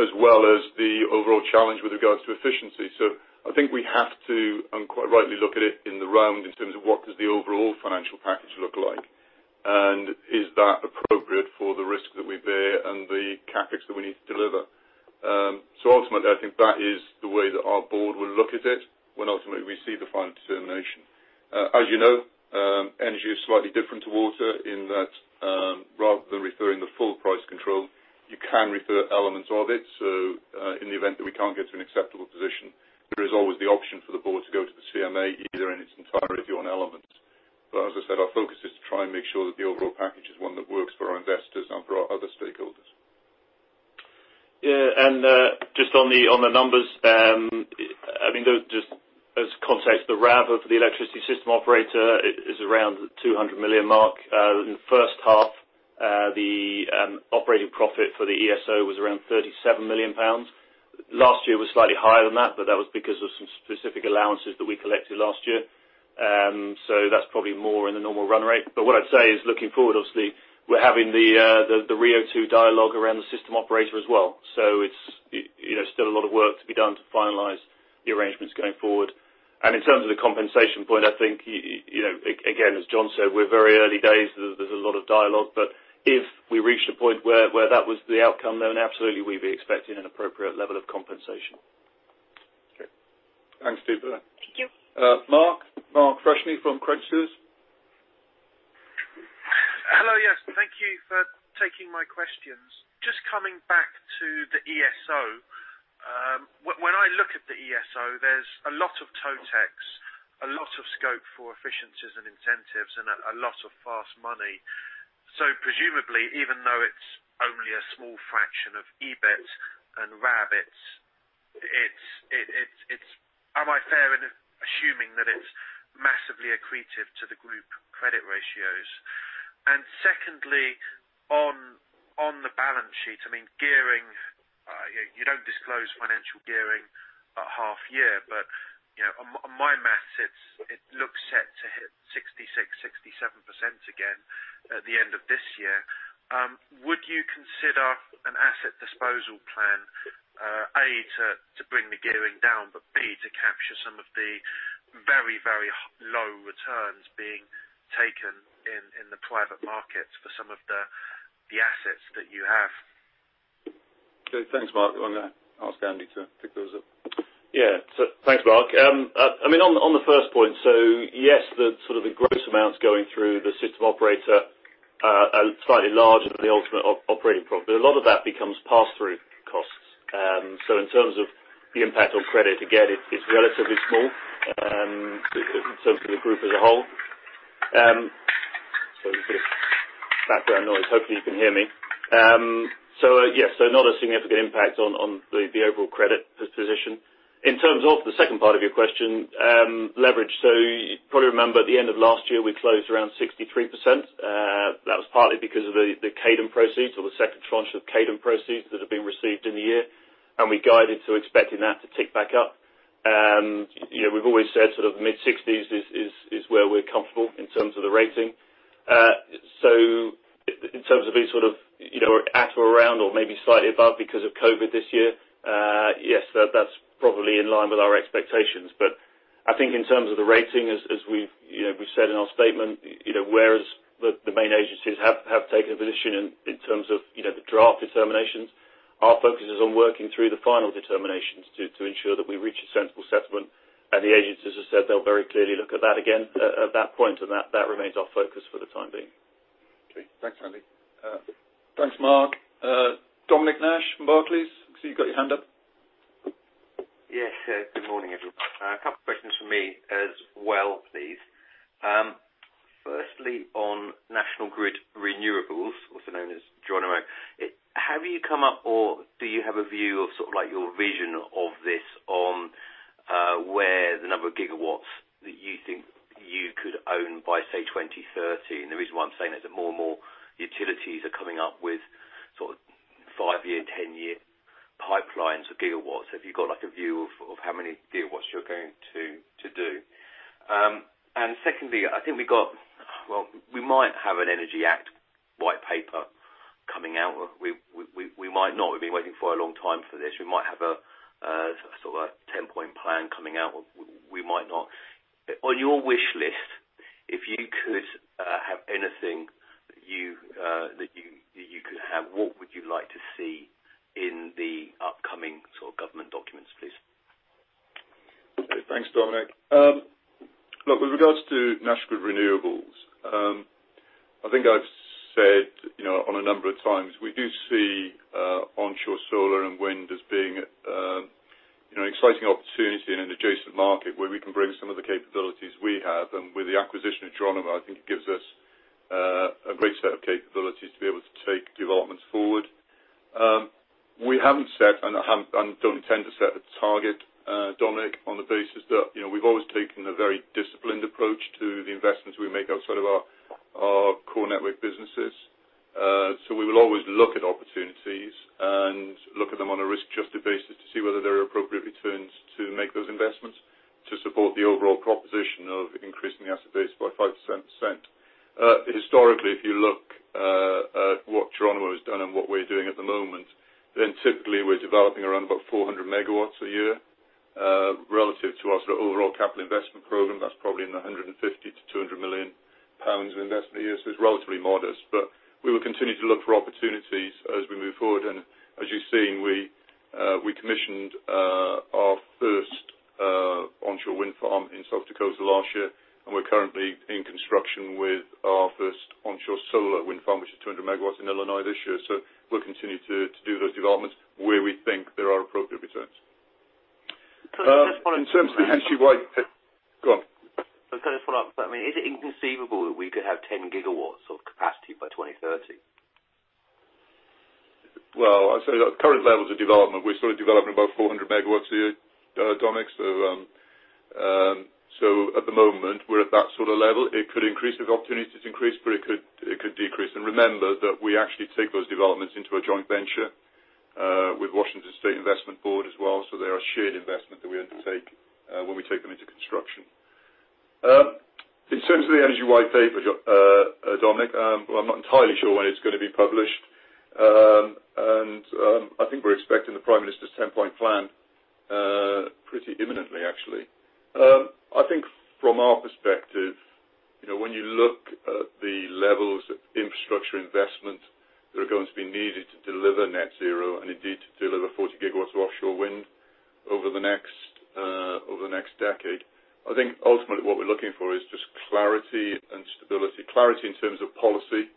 as well as the overall challenge with regards to efficiency. So I think we have to quite rightly look at it in the round in terms of what does the overall financial package look like, and is that appropriate for the risk that we bear and the CapEx that we need to deliver? So ultimately, I think that is the way that our board will look at it when ultimately we see the final determination. As you know, energy is slightly different to water in that rather than referring to full price control, you can refer elements of it. So in the event that we can't get to an acceptable position, there is always the option for the board to go to the CMA either in its entirety or in elements. But as I said, our focus is to try and make sure that the overall package is one that works for our investors and for our other stakeholders. Yeah. And just on the numbers, I mean, just as context, the RAV of the electricity system operator is around 200 million. In the first half, the operating profit for the ESO was around 37 million pounds. Last year was slightly higher than that, but that was because of some specific allowances that we collected last year. So that's probably more in the normal run rate. But what I'd say is looking forward, obviously, we're having the RIIO-2 dialogue around the system operator as well. So it's still a lot of work to be done to finalize the arrangements going forward. And in terms of the compensation point, I think, again, as John said, we're very early days. There's a lot of dialogue. But if we reached a point where that was the outcome, then absolutely we'd be expecting an appropriate level of compensation. Okay. Thanks, Deepa. Thank you. Mark, Mark Freshney from Credit Suisse. Hello. Yes. Thank you for taking my questions. Just coming back to the ESO, when I look at the ESO, there's a lot of Totex, a lot of scope for efficiencies and incentives, and a lot of fast money. So presumably, even though it's only a small fraction of EBIT and EBITDA, it's. Am I fair in assuming that it's massively accretive to the group credit ratios? Secondly, on the balance sheet, I mean, gearing, you don't disclose financial gearing at half year, but on my math, it looks set to hit 66%-67% again at the end of this year. Would you consider an asset disposal plan, A, to bring the gearing down, but B, to capture some of the very, very low returns being taken in the private markets for some of the assets that you have? Okay. Thanks, Mark. I'm going to ask Andy to pick those up. Yeah. So thanks, Mark. I mean, on the first point, so yes, sort of the gross amounts going through the system operator are slightly larger than the ultimate operating profit. But a lot of that becomes pass-through costs. So in terms of the impact on credit, again, it's relatively small in terms of the group as a whole. Sorry, a bit of background noise. Hopefully, you can hear me. So yes, so not a significant impact on the overall credit position. In terms of the second part of your question, leverage. So you probably remember at the end of last year, we closed around 63%. That was partly because of the Cadent proceeds or the second tranche of Cadent proceeds that have been received in the year. And we guided to expecting that to tick back up. We've always said sort of mid-60s is where we're comfortable in terms of the rating. So in terms of being sort of at or around or maybe slightly above because of COVID this year, yes, that's probably in line with our expectations. But I think in terms of the rating, as we've said in our statement, whereas the main agencies have taken a position in terms of the draft determinations, our focus is on working through the final determinations to ensure that we reach a sensible settlement. And the agencies have said they'll very clearly look at that again at that point, and that remains our focus for the time being. Okay. Thanks, Andy. Thanks, Mark. Dominic Nash from Barclays. I see you've got your hand up. Yes. Good morning, everyone. A couple of questions for me as well, please. Firstly, on National Grid Renewables, also known as Geronimo, how have you come up or do you have a view of sort of your vision of this on where the number of gigawatts that you think you could own by, say, 2030? The reason why I'm saying it is that more and more utilities are coming up with sort of five-year, 10-year pipelines of gigawatts. If you've got a view of how many gigawatts you're going to do. Secondly, I think we've got well, we might have an Energy Act White Paper coming out. We might not. We've been waiting for a long time for this. We might have a sort of a 10-point plan coming out. We might not. On your wish list, if you could have anything that you could have, what would you like to see in the upcoming sort of government documents, please? Okay. Thanks, Dominic. Look, with regards to National Grid Renewables, I think I've said on a number of times, we do see onshore solar and wind as being an exciting opportunity in an adjacent market where we can bring some of the capabilities we have. And with the acquisition of Geronimo, I think it gives us a great set of capabilities to be able to take developments forward. We haven't set and don't intend to set a target, Dominic, on the basis that we've always taken a very disciplined approach to the investments we make outside of our core network businesses. So we will always look at opportunities and look at them on a risk-adjusted basis to see whether there are appropriate returns to make those investments to support the overall proposition of increasing the asset base by 5%. Historically, if you look at what Geronimo has done and what we're doing at the moment, then typically we're developing around about 400 MW a year relative to our sort of overall capital investment program. That's probably in the 150 million- 200 million pounds of investment a year. So it's relatively modest. But we will continue to look for opportunities as we move forward. And as you've seen, we commissioned our first onshore wind farm in South Dakota last year, and we're currently in construction with our first onshore solar wind farm, which is 200 MW in Illinois this year. So we'll continue to do those developments where we think there are appropriate returns. So in terms of the Energy White Paper. Go on. I was going to follow up. I mean, is it inconceivable that we could have 10 GW of capacity by 2030? I'd say at current levels of development, we're sort of developing about 400 MW a year, Dominic. So at the moment, we're at that sort of level. It could increase. We've got opportunities to increase, but it could decrease. Remember that we actually take those developments into a joint venture with Washington State Investment Board as well. They are a shared investment that we undertake when we take them into construction. In terms of the Energy White Paper, Dominic, I'm not entirely sure when it's going to be published. I think we're expecting the Prime Minister's 10-point plan pretty imminently, actually. I think from our perspective, when you look at the levels of infrastructure investment that are going to be needed to deliver net zero and indeed to deliver 40 GW of offshore wind over the next decade, I think ultimately what we're looking for is just clarity and stability. Clarity in terms of policy,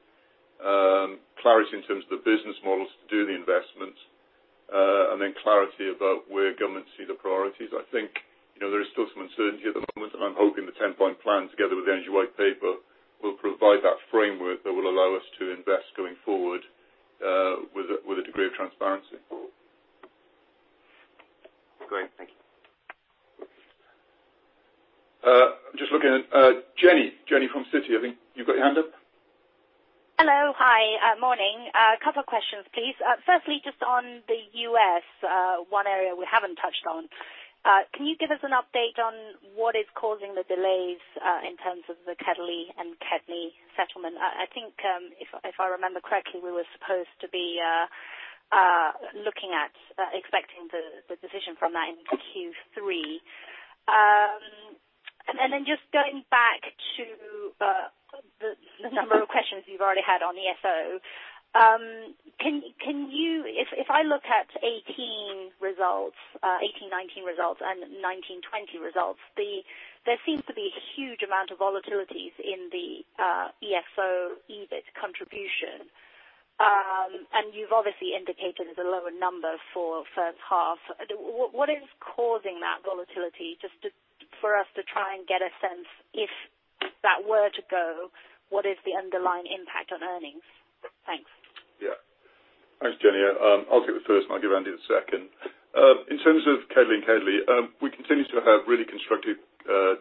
clarity in terms of the business models to do the investments, and then clarity about where governments see the priorities. I think there is still some uncertainty at the moment, and I'm hoping the 10-point plan together with the Energy White Paper will provide that framework that will allow us to invest going forward with a degree of transparency. Great. Thank you. I'm just looking at Jenny. Jenny from Citi, I think you've got your hand up. Hello. Hi. Morning. A couple of questions, please. Firstly, just on the U.S., one area we haven't touched on. Can you give us an update on what is causing the delays in terms of the KEDLI and KEDNY settlement? I think if I remember correctly, we were supposed to be looking at expecting the decision from that in Q3. And then just going back to the number of questions you've already had on ESO, if I look at 2018 results, 2018-2019 results, and 2019-2020 results, there seems to be a huge amount of volatilities in the ESO EBIT contribution. And you've obviously indicated there's a lower number for first half. What is causing that volatility? Just for us to try and get a sense, if that were to go, what is the underlying impact on earnings? Thanks. Yeah. Thanks, Jenny. I'll take the first one. I'll give Andy the second. In terms of KEDLI and KEDNY, we continue to have really constructive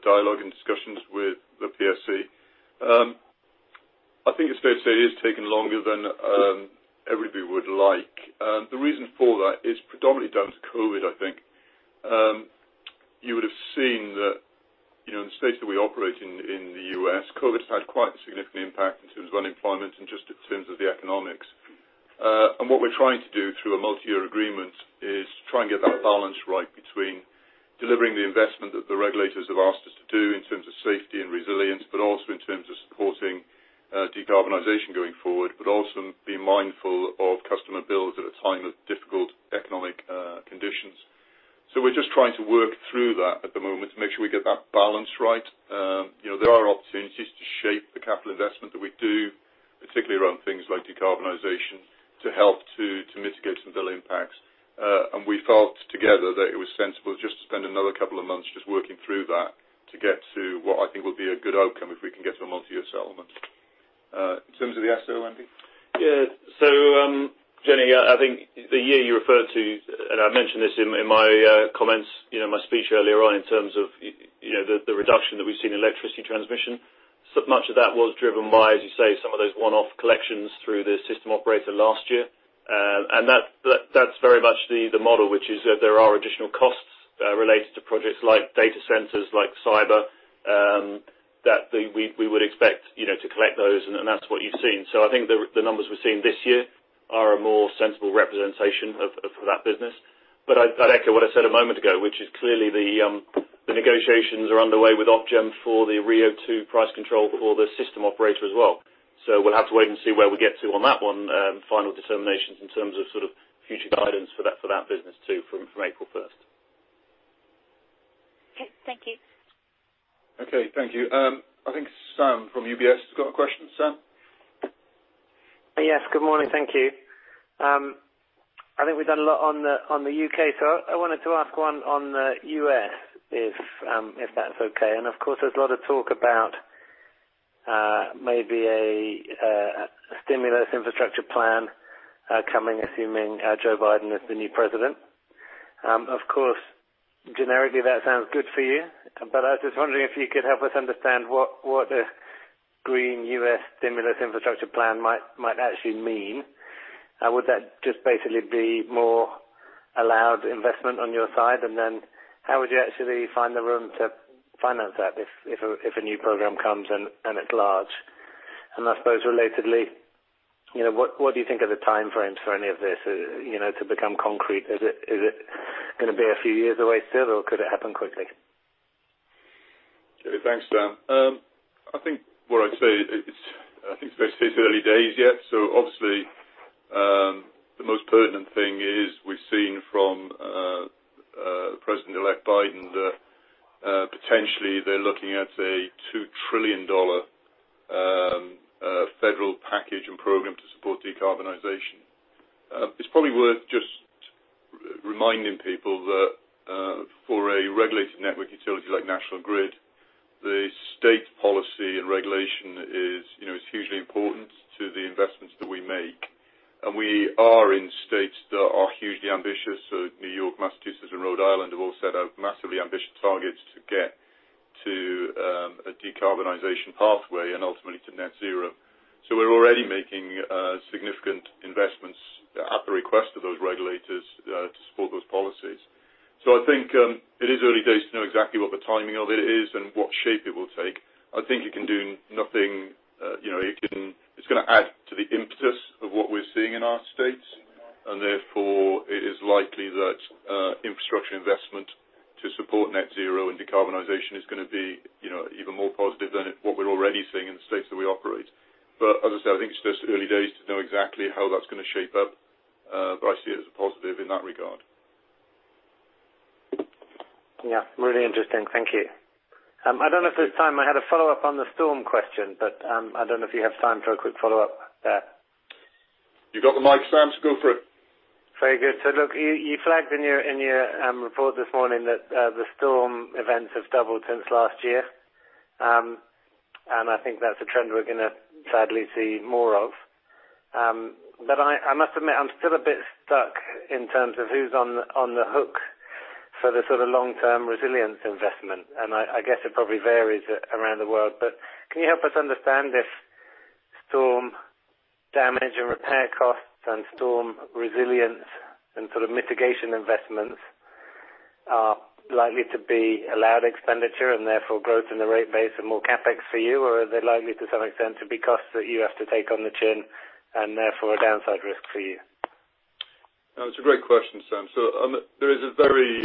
dialogue and discussions with the PSC. I think it's fair to say it is taking longer than everybody would like. The reason for that is predominantly down to COVID, I think. You would have seen that in the space that we operate in the U.S., COVID has had quite a significant impact in terms of unemployment and just in terms of the economics, and what we're trying to do through a multi-year agreement is try and get that balance right between delivering the investment that the regulators have asked us to do in terms of safety and resilience, but also in terms of supporting decarbonization going forward, but also being mindful of customer bills at a time of difficult economic conditions, so we're just trying to work through that at the moment to make sure we get that balance right. There are opportunities to shape the capital investment that we do, particularly around things like decarbonization, to help to mitigate some of the impacts. And we felt together that it was sensible just to spend another couple of months just working through that to get to what I think will be a good outcome if we can get to a multi-year settlement. In terms of the SO, Andy? Yeah. So Jenny, I think the year you referred to, and I mentioned this in my comments, my speech earlier on in terms of the reduction that we've seen in electricity transmission, much of that was driven by, as you say, some of those one-off collections through the system operator last year. And that's very much the model, which is that there are additional costs related to projects like data centers, like cyber, that we would expect to collect those, and that's what you've seen. So I think the numbers we've seen this year are a more sensible representation of that business. But I'd echo what I said a moment ago, which is clearly the negotiations are underway with Ofgem for the RIIO-2 price control for the system operator as well. So we'll have to wait and see where we get to on that one. Final determinations in terms of sort of future guidance for that business too from April 1st. Okay. Thank you. Okay. Thank you. I think Sam from UBS has got a question. Sam? Yes. Good morning. Thank you. I think we've done a lot on the U.K., so I wanted to ask one on the U.S., if that's okay, and of course, there's a lot of talk about maybe a stimulus infrastructure plan coming, assuming Joe Biden is the new president. Of course, generically, that sounds good for you, but I was just wondering if you could help us understand what the green U.S. stimulus infrastructure plan might actually mean. Would that just basically be more allowed investment on your side, and then how would you actually find the room to finance that if a new program comes and it's large, and I suppose relatedly, what do you think are the timeframes for any of this to become concrete? Is it going to be a few years away still, or could it happen quickly? Okay. Thanks, Sam. I think what I'd say, I think it's very early days yet. So obviously, the most pertinent thing is we've seen from President-elect Biden that potentially they're looking at a $2 trillion federal package and program to support decarbonization. It's probably worth just reminding people that for a regulated network utility like National Grid, the state policy and regulation is hugely important to the investments that we make. And we are in states that are hugely ambitious. So New York, Massachusetts, and Rhode Island have all set out massively ambitious targets to get to a decarbonization pathway and ultimately to net zero. So we're already making significant investments at the request of those regulators to support those policies. So I think it is early days to know exactly what the timing of it is and what shape it will take. I think it can do nothing. It's going to add to the impetus of what we're seeing in our states. And therefore, it is likely that infrastructure investment to support net zero and decarbonization is going to be even more positive than what we're already seeing in the states that we operate. But as I said, I think it's just early days to know exactly how that's going to shape up. But I see it as a positive in that regard. Yeah. Really interesting. Thank you. I don't know if there's time. I had a follow-up on the storm question, but I don't know if you have time for a quick follow-up there. You've got the mic, Sam. So go for it. Very good. So look, you flagged in your report this morning that the storm events have doubled since last year. And I think that's a trend we're going to sadly see more of. But I must admit, I'm still a bit stuck in terms of who's on the hook for the sort of long-term resilience investment. And I guess it probably varies around the world. But can you help us understand if storm damage and repair costs and storm resilience and sort of mitigation investments are likely to be allowed expenditure and therefore growth in the rate base and more CapEx for you, or are they likely to some extent to be costs that you have to take on the chin and therefore a downside risk for you? That's a great question, Sam. So there is a very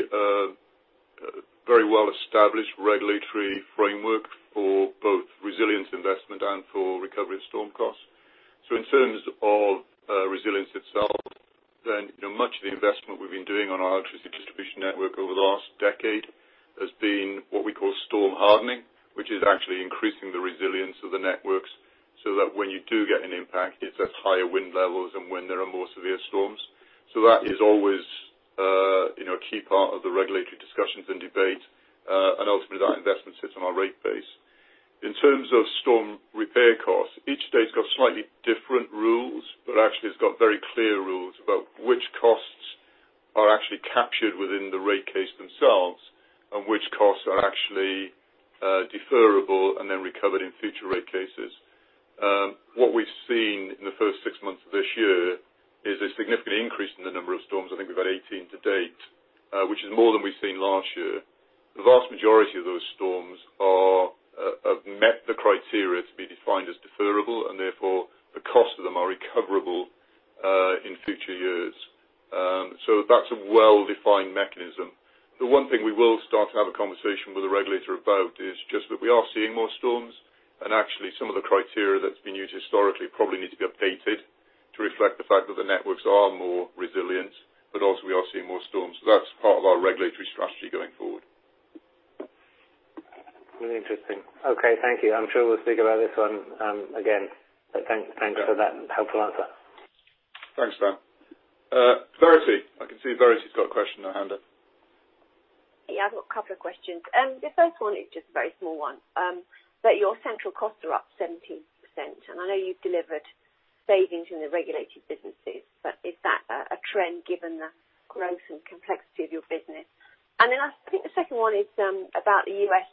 well-established regulatory framework for both resilience investment and for recovery of storm costs. So in terms of resilience itself, then much of the investment we've been doing on our electricity distribution network over the last decade has been what we call storm hardening, which is actually increasing the resilience of the networks so that when you do get an impact, it's at higher wind levels and when there are more severe storms. So that is always a key part of the regulatory discussions and debate. And ultimately, that investment sits on our rate base. In terms of storm repair costs, each state's got slightly different rules, but actually it's got very clear rules about which costs are actually captured within the rate case themselves and which costs are actually deferable and then recovered in future rate cases. What we've seen in the first six months of this year is a significant increase in the number of storms. I think we've had 18 to date, which is more than we've seen last year. The vast majority of those storms have met the criteria to be defined as deferable, and therefore the costs of them are recoverable in future years. So that's a well-defined mechanism. The one thing we will start to have a conversation with a regulator about is just that we are seeing more storms, and actually some of the criteria that's been used historically probably need to be updated to reflect the fact that the networks are more resilient, but also we are seeing more storms. So that's part of our regulatory strategy going forward. Really interesting. Okay. Thank you. I'm sure we'll speak about this one again. But thanks for that helpful answer. Thanks, Sam. Verity. I can see Verity's got a question now, hand up. Yeah. I've got a couple of questions. The first one is just a very small one. But your central costs are up 17%. And I know you've delivered savings in the regulated businesses, but is that a trend given the growth and complexity of your business? And then I think the second one is about the U.S.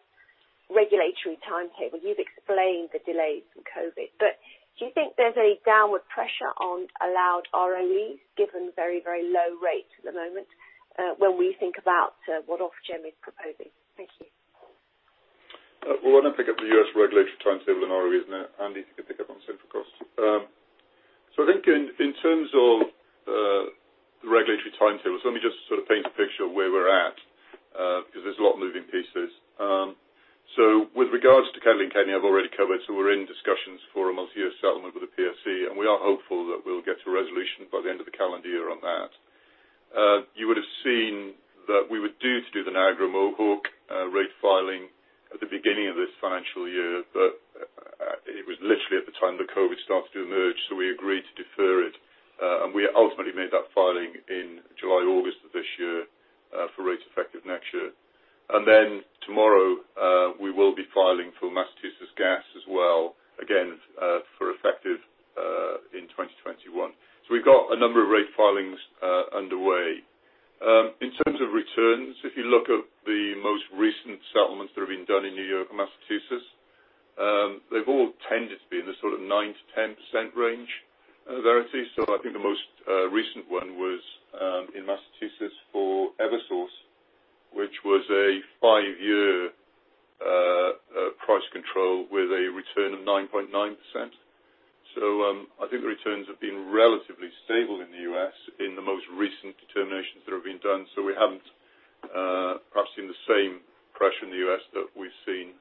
regulatory timetable. You've explained the delays from COVID. But do you think there's any downward pressure on allowed ROEs given very, very low rates at the moment when we think about what Ofgem is proposing? Thank you. Well, on the U.S. regulatory timetable and ROEs, Andy, if you could pick up on central costs. So I think in terms of the regulatory timetables, let me just sort of paint a picture of where we're at because there's a lot of moving pieces. So with regards to KEDLI and KEDNY, I've already covered. We're in discussions for a multi-year settlement with the PSC, and we are hopeful that we'll get to a resolution by the end of the calendar year on that. You would have seen that we were due to do the Niagara Mohawk rate filing at the beginning of this financial year, but it was literally at the time that COVID started to emerge. We agreed to defer it. We ultimately made that filing in July, August of this year for rate effective next year. Tomorrow, we will be filing for Massachusetts Gas as well, again for effective in 2021. We've got a number of rate filings underway. In terms of returns, if you look at the most recent settlements that have been done in New York and Massachusetts, they've all tended to be in the sort of 9%-10% range, Verity. I think the most recent one was in Massachusetts for Eversource, which was a five-year price control with a return of 9.9%. I think the returns have been relatively stable in the U.S. in the most recent determinations that have been done. We haven't perhaps seen the same pressure in the U.S. that we've seen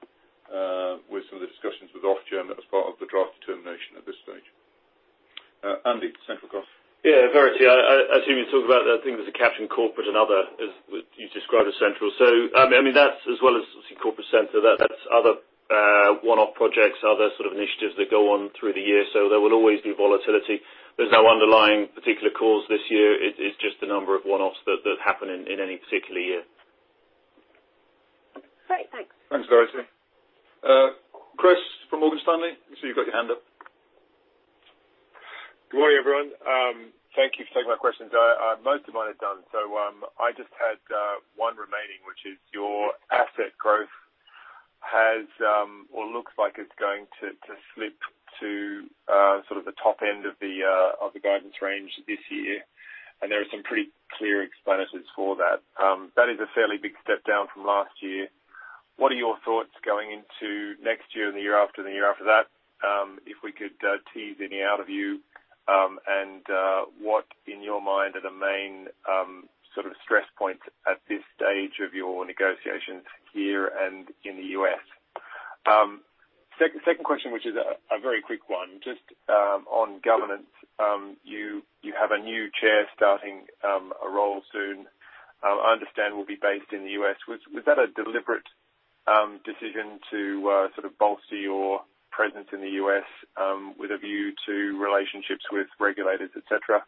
with some of the discussions with Ofgem as part of the draft determination at this stage. Andy, central costs. Yeah. Verity, I assume you're talking about that. I think there's CapEx, corporate and other you described as central. So I mean, that's as well as corporate center. That's other one-off projects, other sort of initiatives that go on through the year. So there will always be volatility. There's no underlying particular cause this year. It's just the number of one-offs that happen in any particular year. Great. Thanks. Thanks, Verity. Chris from Morgan Stanley. I see you've got your hand up. Good morning, everyone. Thank you for taking my questions. Most of mine are done. So I just had one remaining, which is your asset growth has or looks like it's going to slip to sort of the top end of the guidance range this year. And there are some pretty clear explanations for that. That is a fairly big step down from last year. What are your thoughts going into next year and the year after and the year after that? If we could tease any out of you and what, in your mind, are the main sort of stress points at this stage of your negotiations here and in the U.S.? Second question, which is a very quick one, just on governance. You have a new chair starting a role soon. I understand will be based in the U.S. Was that a deliberate decision to sort of bolster your presence in the U.S. with a view to relationships with regulators, et cetera?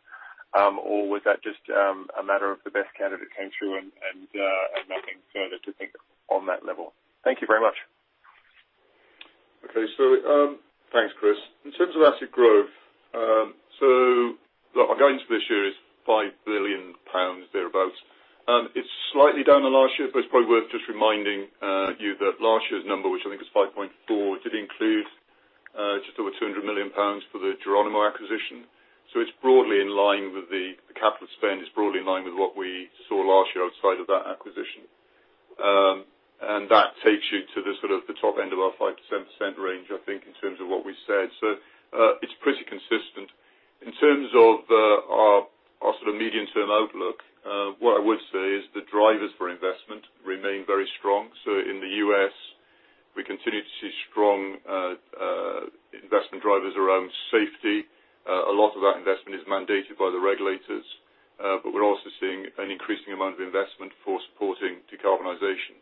Or was that just a matter of the best candidate came through and nothing further to think on that level? Thank you very much. Okay. So thanks, Chris. In terms of asset growth, so our guidance for this year is 5 billion pounds thereabouts. It's slightly down than last year, but it's probably worth just reminding you that last year's number, which I think was 5.4, did include just over 200 million pounds for the Geronimo acquisition. So it's broadly in line with the capital expenditure, it's broadly in line with what we saw last year outside of that acquisition. That takes you to the sort of the top end of our 5%-10% range, I think, in terms of what we said. So it's pretty consistent. In terms of our sort of medium-term outlook, what I would say is the drivers for investment remain very strong. So in the U.S., we continue to see strong investment drivers around safety. A lot of that investment is mandated by the regulators, but we're also seeing an increasing amount of investment for supporting decarbonization.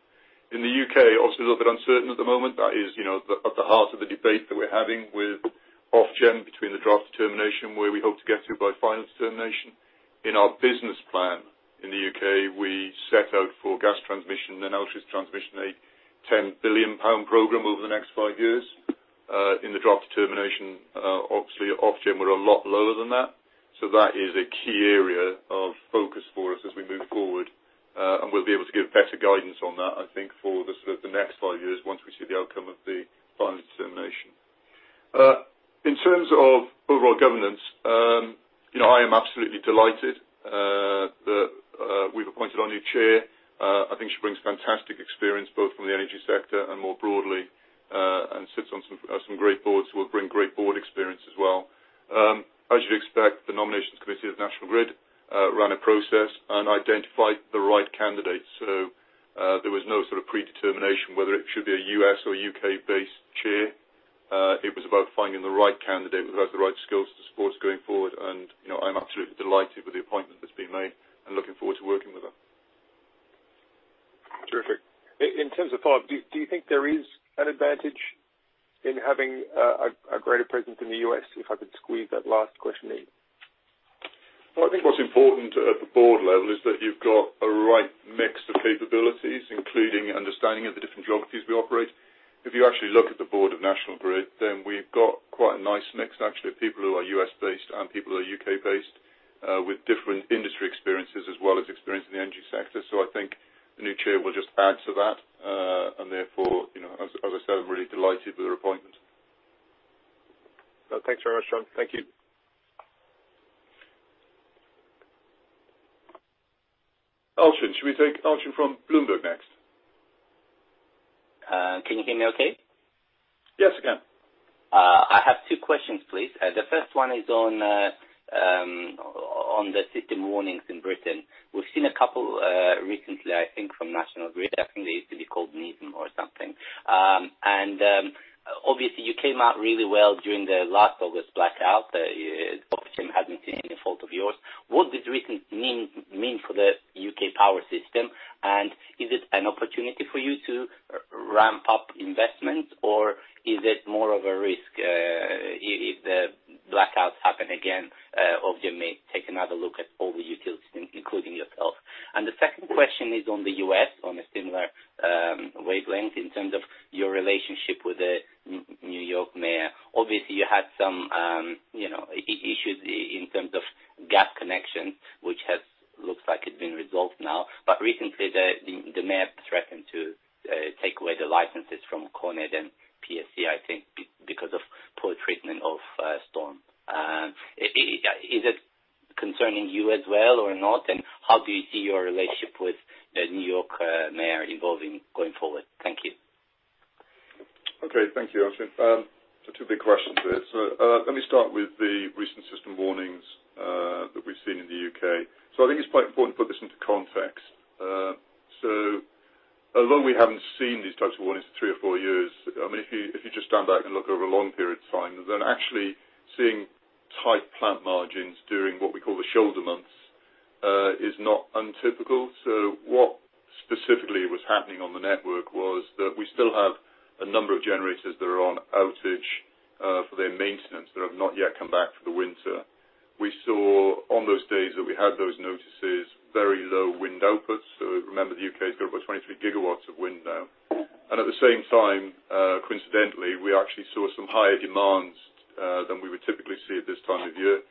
In the U.K., obviously a little bit uncertain at the moment. That is at the heart of the debate that we're having with Ofgem between the draft determination where we hope to get to by final determination. In our business plan in the U.K., we set out for gas transmission and electricity transmission a 10 billion pound program over the next five years. In the draft determination, obviously, Ofgem were a lot lower than that. So that is a key area of focus for us as we move forward. And we'll be able to give better guidance on that, I think, for the next five years once we see the outcome of the final determination. In terms of overall governance, I am absolutely delighted that we've appointed our new chair. I think she brings fantastic experience both from the energy sector and more broadly and sits on some great boards. She will bring great board experience as well. As you'd expect, the Nominations Committee of National Grid ran a process and identified the right candidates. So there was no sort of predetermination whether it should be a U.S. or U.K.-based chair. It was about finding the right candidate who has the right skills to support us going forward. I'm absolutely delighted with the appointment that's been made and looking forward to working with her. Terrific. In terms of power, do you think there is an advantage in having a greater presence in the U.S. if I could squeeze that last question in? Well, I think what's important at the board level is that you've got a right mix of capabilities, including understanding of the different geographies we operate. If you actually look at the board of National Grid, then we've got quite a nice mix, actually, of people who are U.S.-based and people who are U.K.-based with different industry experiences as well as experience in the energy sector. So I think the new chair will just add to that. And therefore, as I said, I'm really delighted with her appointment. Thanks very much, John. Thank you. Elchin. Should we take Elchin from Bloomberg next? Can you hear me okay? Yes, I can. I have two questions, please. The first one is on the system warnings in Britain. We've seen a couple recently, I think, from National Grid. I think they used to be called NISM or something. And obviously, you came out really well during the last August blackout. Ofgem hasn't seen any fault of yours. What does recent NISM mean for the U.K. power system? And is it an opportunity for you to ramp up investments, or is it more of a risk if the blackouts happen again? Ofgem may take another look at all the utilities, including yourself. And the second question is on the U.S., on a similar wavelength, in terms of your relationship with the New York mayor. Obviously, you had some issues in terms of gas connections, which looks like it's been resolved now. But recently, the mayor threatened to take away the licenses from Con Ed and PSC, I think, because of poor treatment of storm. Is it concerning you as well or not? And how do you see your relationship with the New York mayor evolving going forward? Thank you. Okay. Thank you, Elchin. Two big questions there. So let me start with the recent system warnings that we've seen in the U.K. So I think it's quite important to put this into context. So although we haven't seen these types of warnings for three or four years, I mean, if you just stand back and look over a long period of time, then actually seeing tight plant margins during what we call the shoulder months is not untypical. So what specifically was happening on the network was that we still have a number of generators that are on outage for their maintenance that have not yet come back for the winter. We saw on those days that we had those notices, very low wind outputs. So remember, the U.K.'s got about 23 GW of wind now. And at the same time, coincidentally, we actually saw some higher demands than we would typically see at this time of year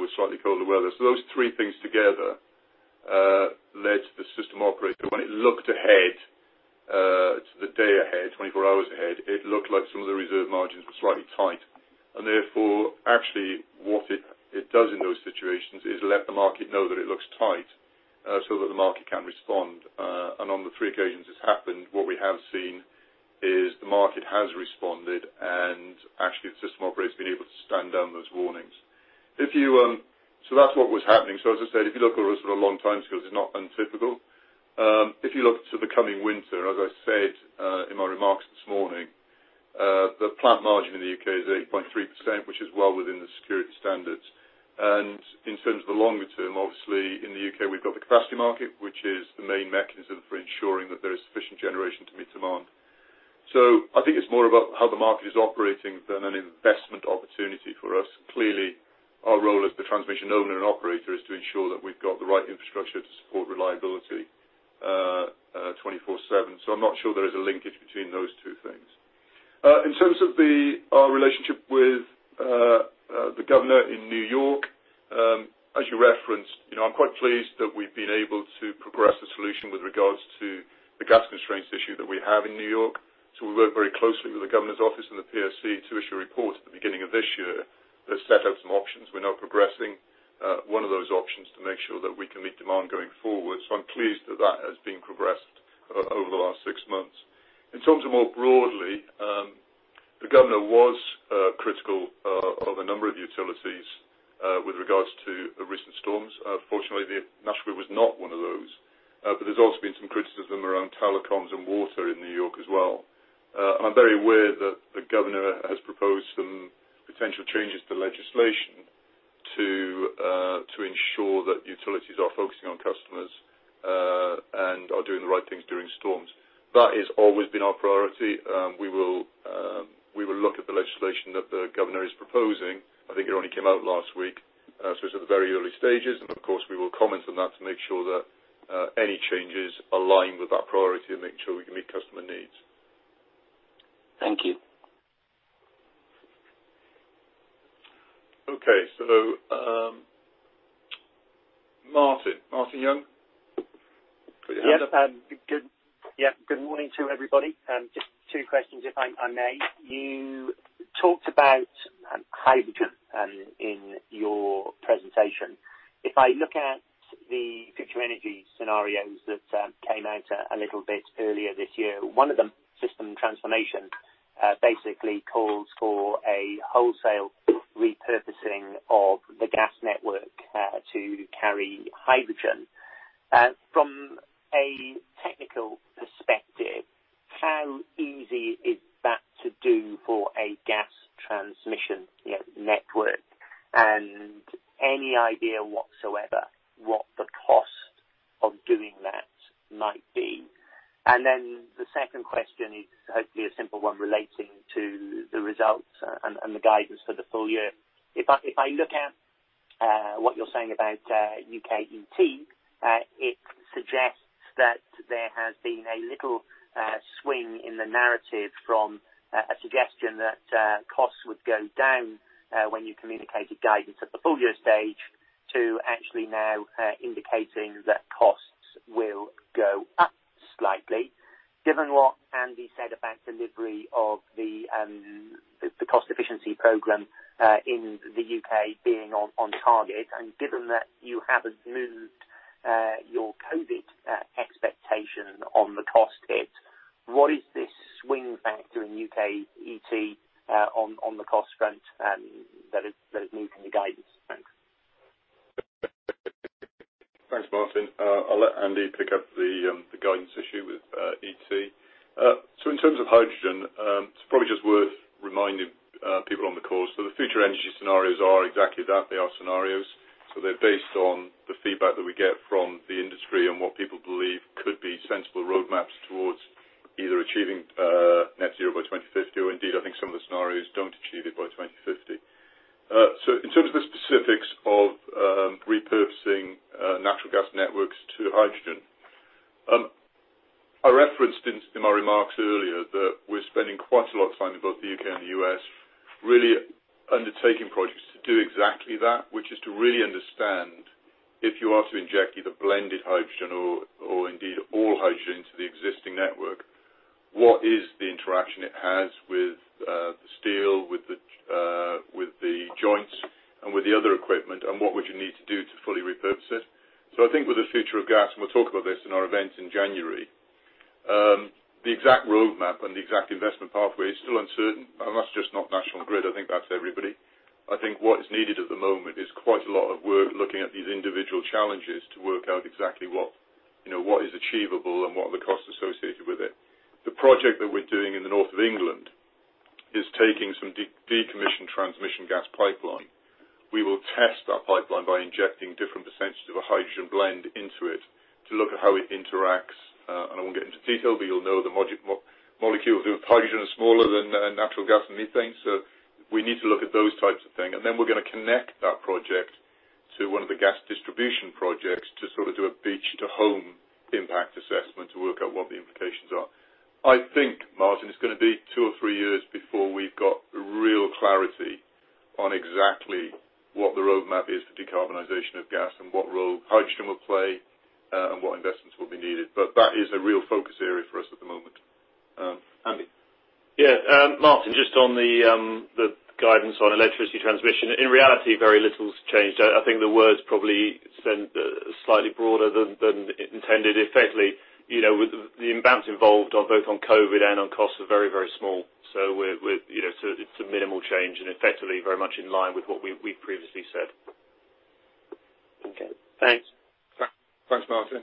with slightly colder weather. So those three things together led to the system operator, when it looked ahead to the day ahead, 24 hours ahead, it looked like some of the reserve margins were slightly tight. And therefore, actually, what it does in those situations is let the market know that it looks tight so that the market can respond. And on the three occasions it's happened, what we have seen is the market has responded, and actually the system operator's been able to stand down those warnings. So that's what was happening. So as I said, if you look over a sort of long time scale, it's not untypical. If you look to the coming winter, as I said in my remarks this morning, the plant margin in the U.K. is 8.3%, which is well within the security standards. And in terms of the longer term, obviously, in the U.K., we've got the capacity market, which is the main mechanism for ensuring that there is sufficient generation to meet demand. So I think it's more about how the market is operating than an investment opportunity for us. Clearly, our role as the transmission owner and operator is to ensure that we've got the right infrastructure to support reliability 24/7. I'm not sure there is a linkage between those two things. In terms of our relationship with the governor in New York, as you referenced, I'm quite pleased that we've been able to progress a solution with regards to the gas constraints issue that we have in New York. We work very closely with the governor's office and the PSC to issue a report at the beginning of this year that set out some options. We're now progressing one of those options to make sure that we can meet demand going forward. I'm pleased that that has been progressed over the last six months. In terms of more broadly, the governor was critical of a number of utilities with regards to recent storms. Fortunately, National Grid was not one of those. But there's also been some criticism around telecoms and water in New York as well. I'm very aware that the governor has proposed some potential changes to legislation to ensure that utilities are focusing on customers and are doing the right things during storms. That has always been our priority. We will look at the legislation that the governor is proposing. I think it only came out last week. It's at the very early stages. Of course, we will comment on that to make sure that any changes align with that priority and make sure we can meet customer needs. Thank you. Okay. Martin, Martin Young, got your hand up? Yes. Good morning to everybody. Just two questions, if I may. You talked about hydrogen in your presentation. If I look at the Future Energy Scenarios that came out a little bit earlier this year, one of them, System Transformation, basically calls for a wholesale repurposing of the gas network to carry hydrogen. From a technical perspective, how easy is that to do for a gas transmission network? And any idea whatsoever what the cost of doing that might be? And then the second question is I think what is needed at the moment is quite a lot of work looking at these individual challenges to work out exactly what is achievable and what are the costs associated with it. The project that we're doing in the north of England is taking some decommissioned transmission gas pipeline. We will test that pipeline by injecting different percentages of a hydrogen blend into it to look at how it interacts. And I won't get into detail, but you'll know the molecules of hydrogen are smaller than natural gas and methane. So we need to look at those types of things. And then we're going to connect that project to one of the gas distribution projects to sort of do a beach-to-home impact assessment to work out what the implications are. I think, Martin, it's going to be two or three years before we've got real clarity on exactly what the roadmap is for decarbonization of gas and what role hydrogen will play and what investments will be needed. But that is a real focus area for us at the moment. Andy? Yeah. Martin, just on the guidance on electricity transmission, in reality, very little's changed. I think the words probably slightly broader than intended. Effectively, the amounts involved both on COVID and on costs are very, very small. So it's a minimal change and effectively very much in line with what we've previously said. Okay. Thanks. Thanks, Martin.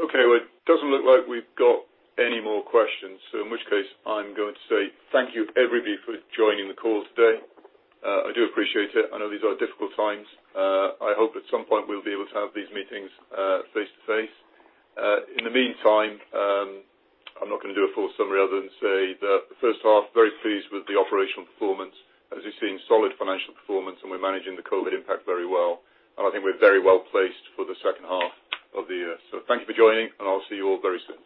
Okay. Well, it doesn't look like we've got any more questions. So in which case, I'm going to say thank you, everybody, for joining the call today. I do appreciate it. I know these are difficult times. I hope at some point we'll be able to have these meetings face to face. In the meantime, I'm not going to do a full summary other than say that the first half, very pleased with the operational performance. As you've seen, solid financial performance, and we're managing the COVID impact very well, and I think we're very well placed for the second half of the year, so thank you for joining, and I'll see you all very soon.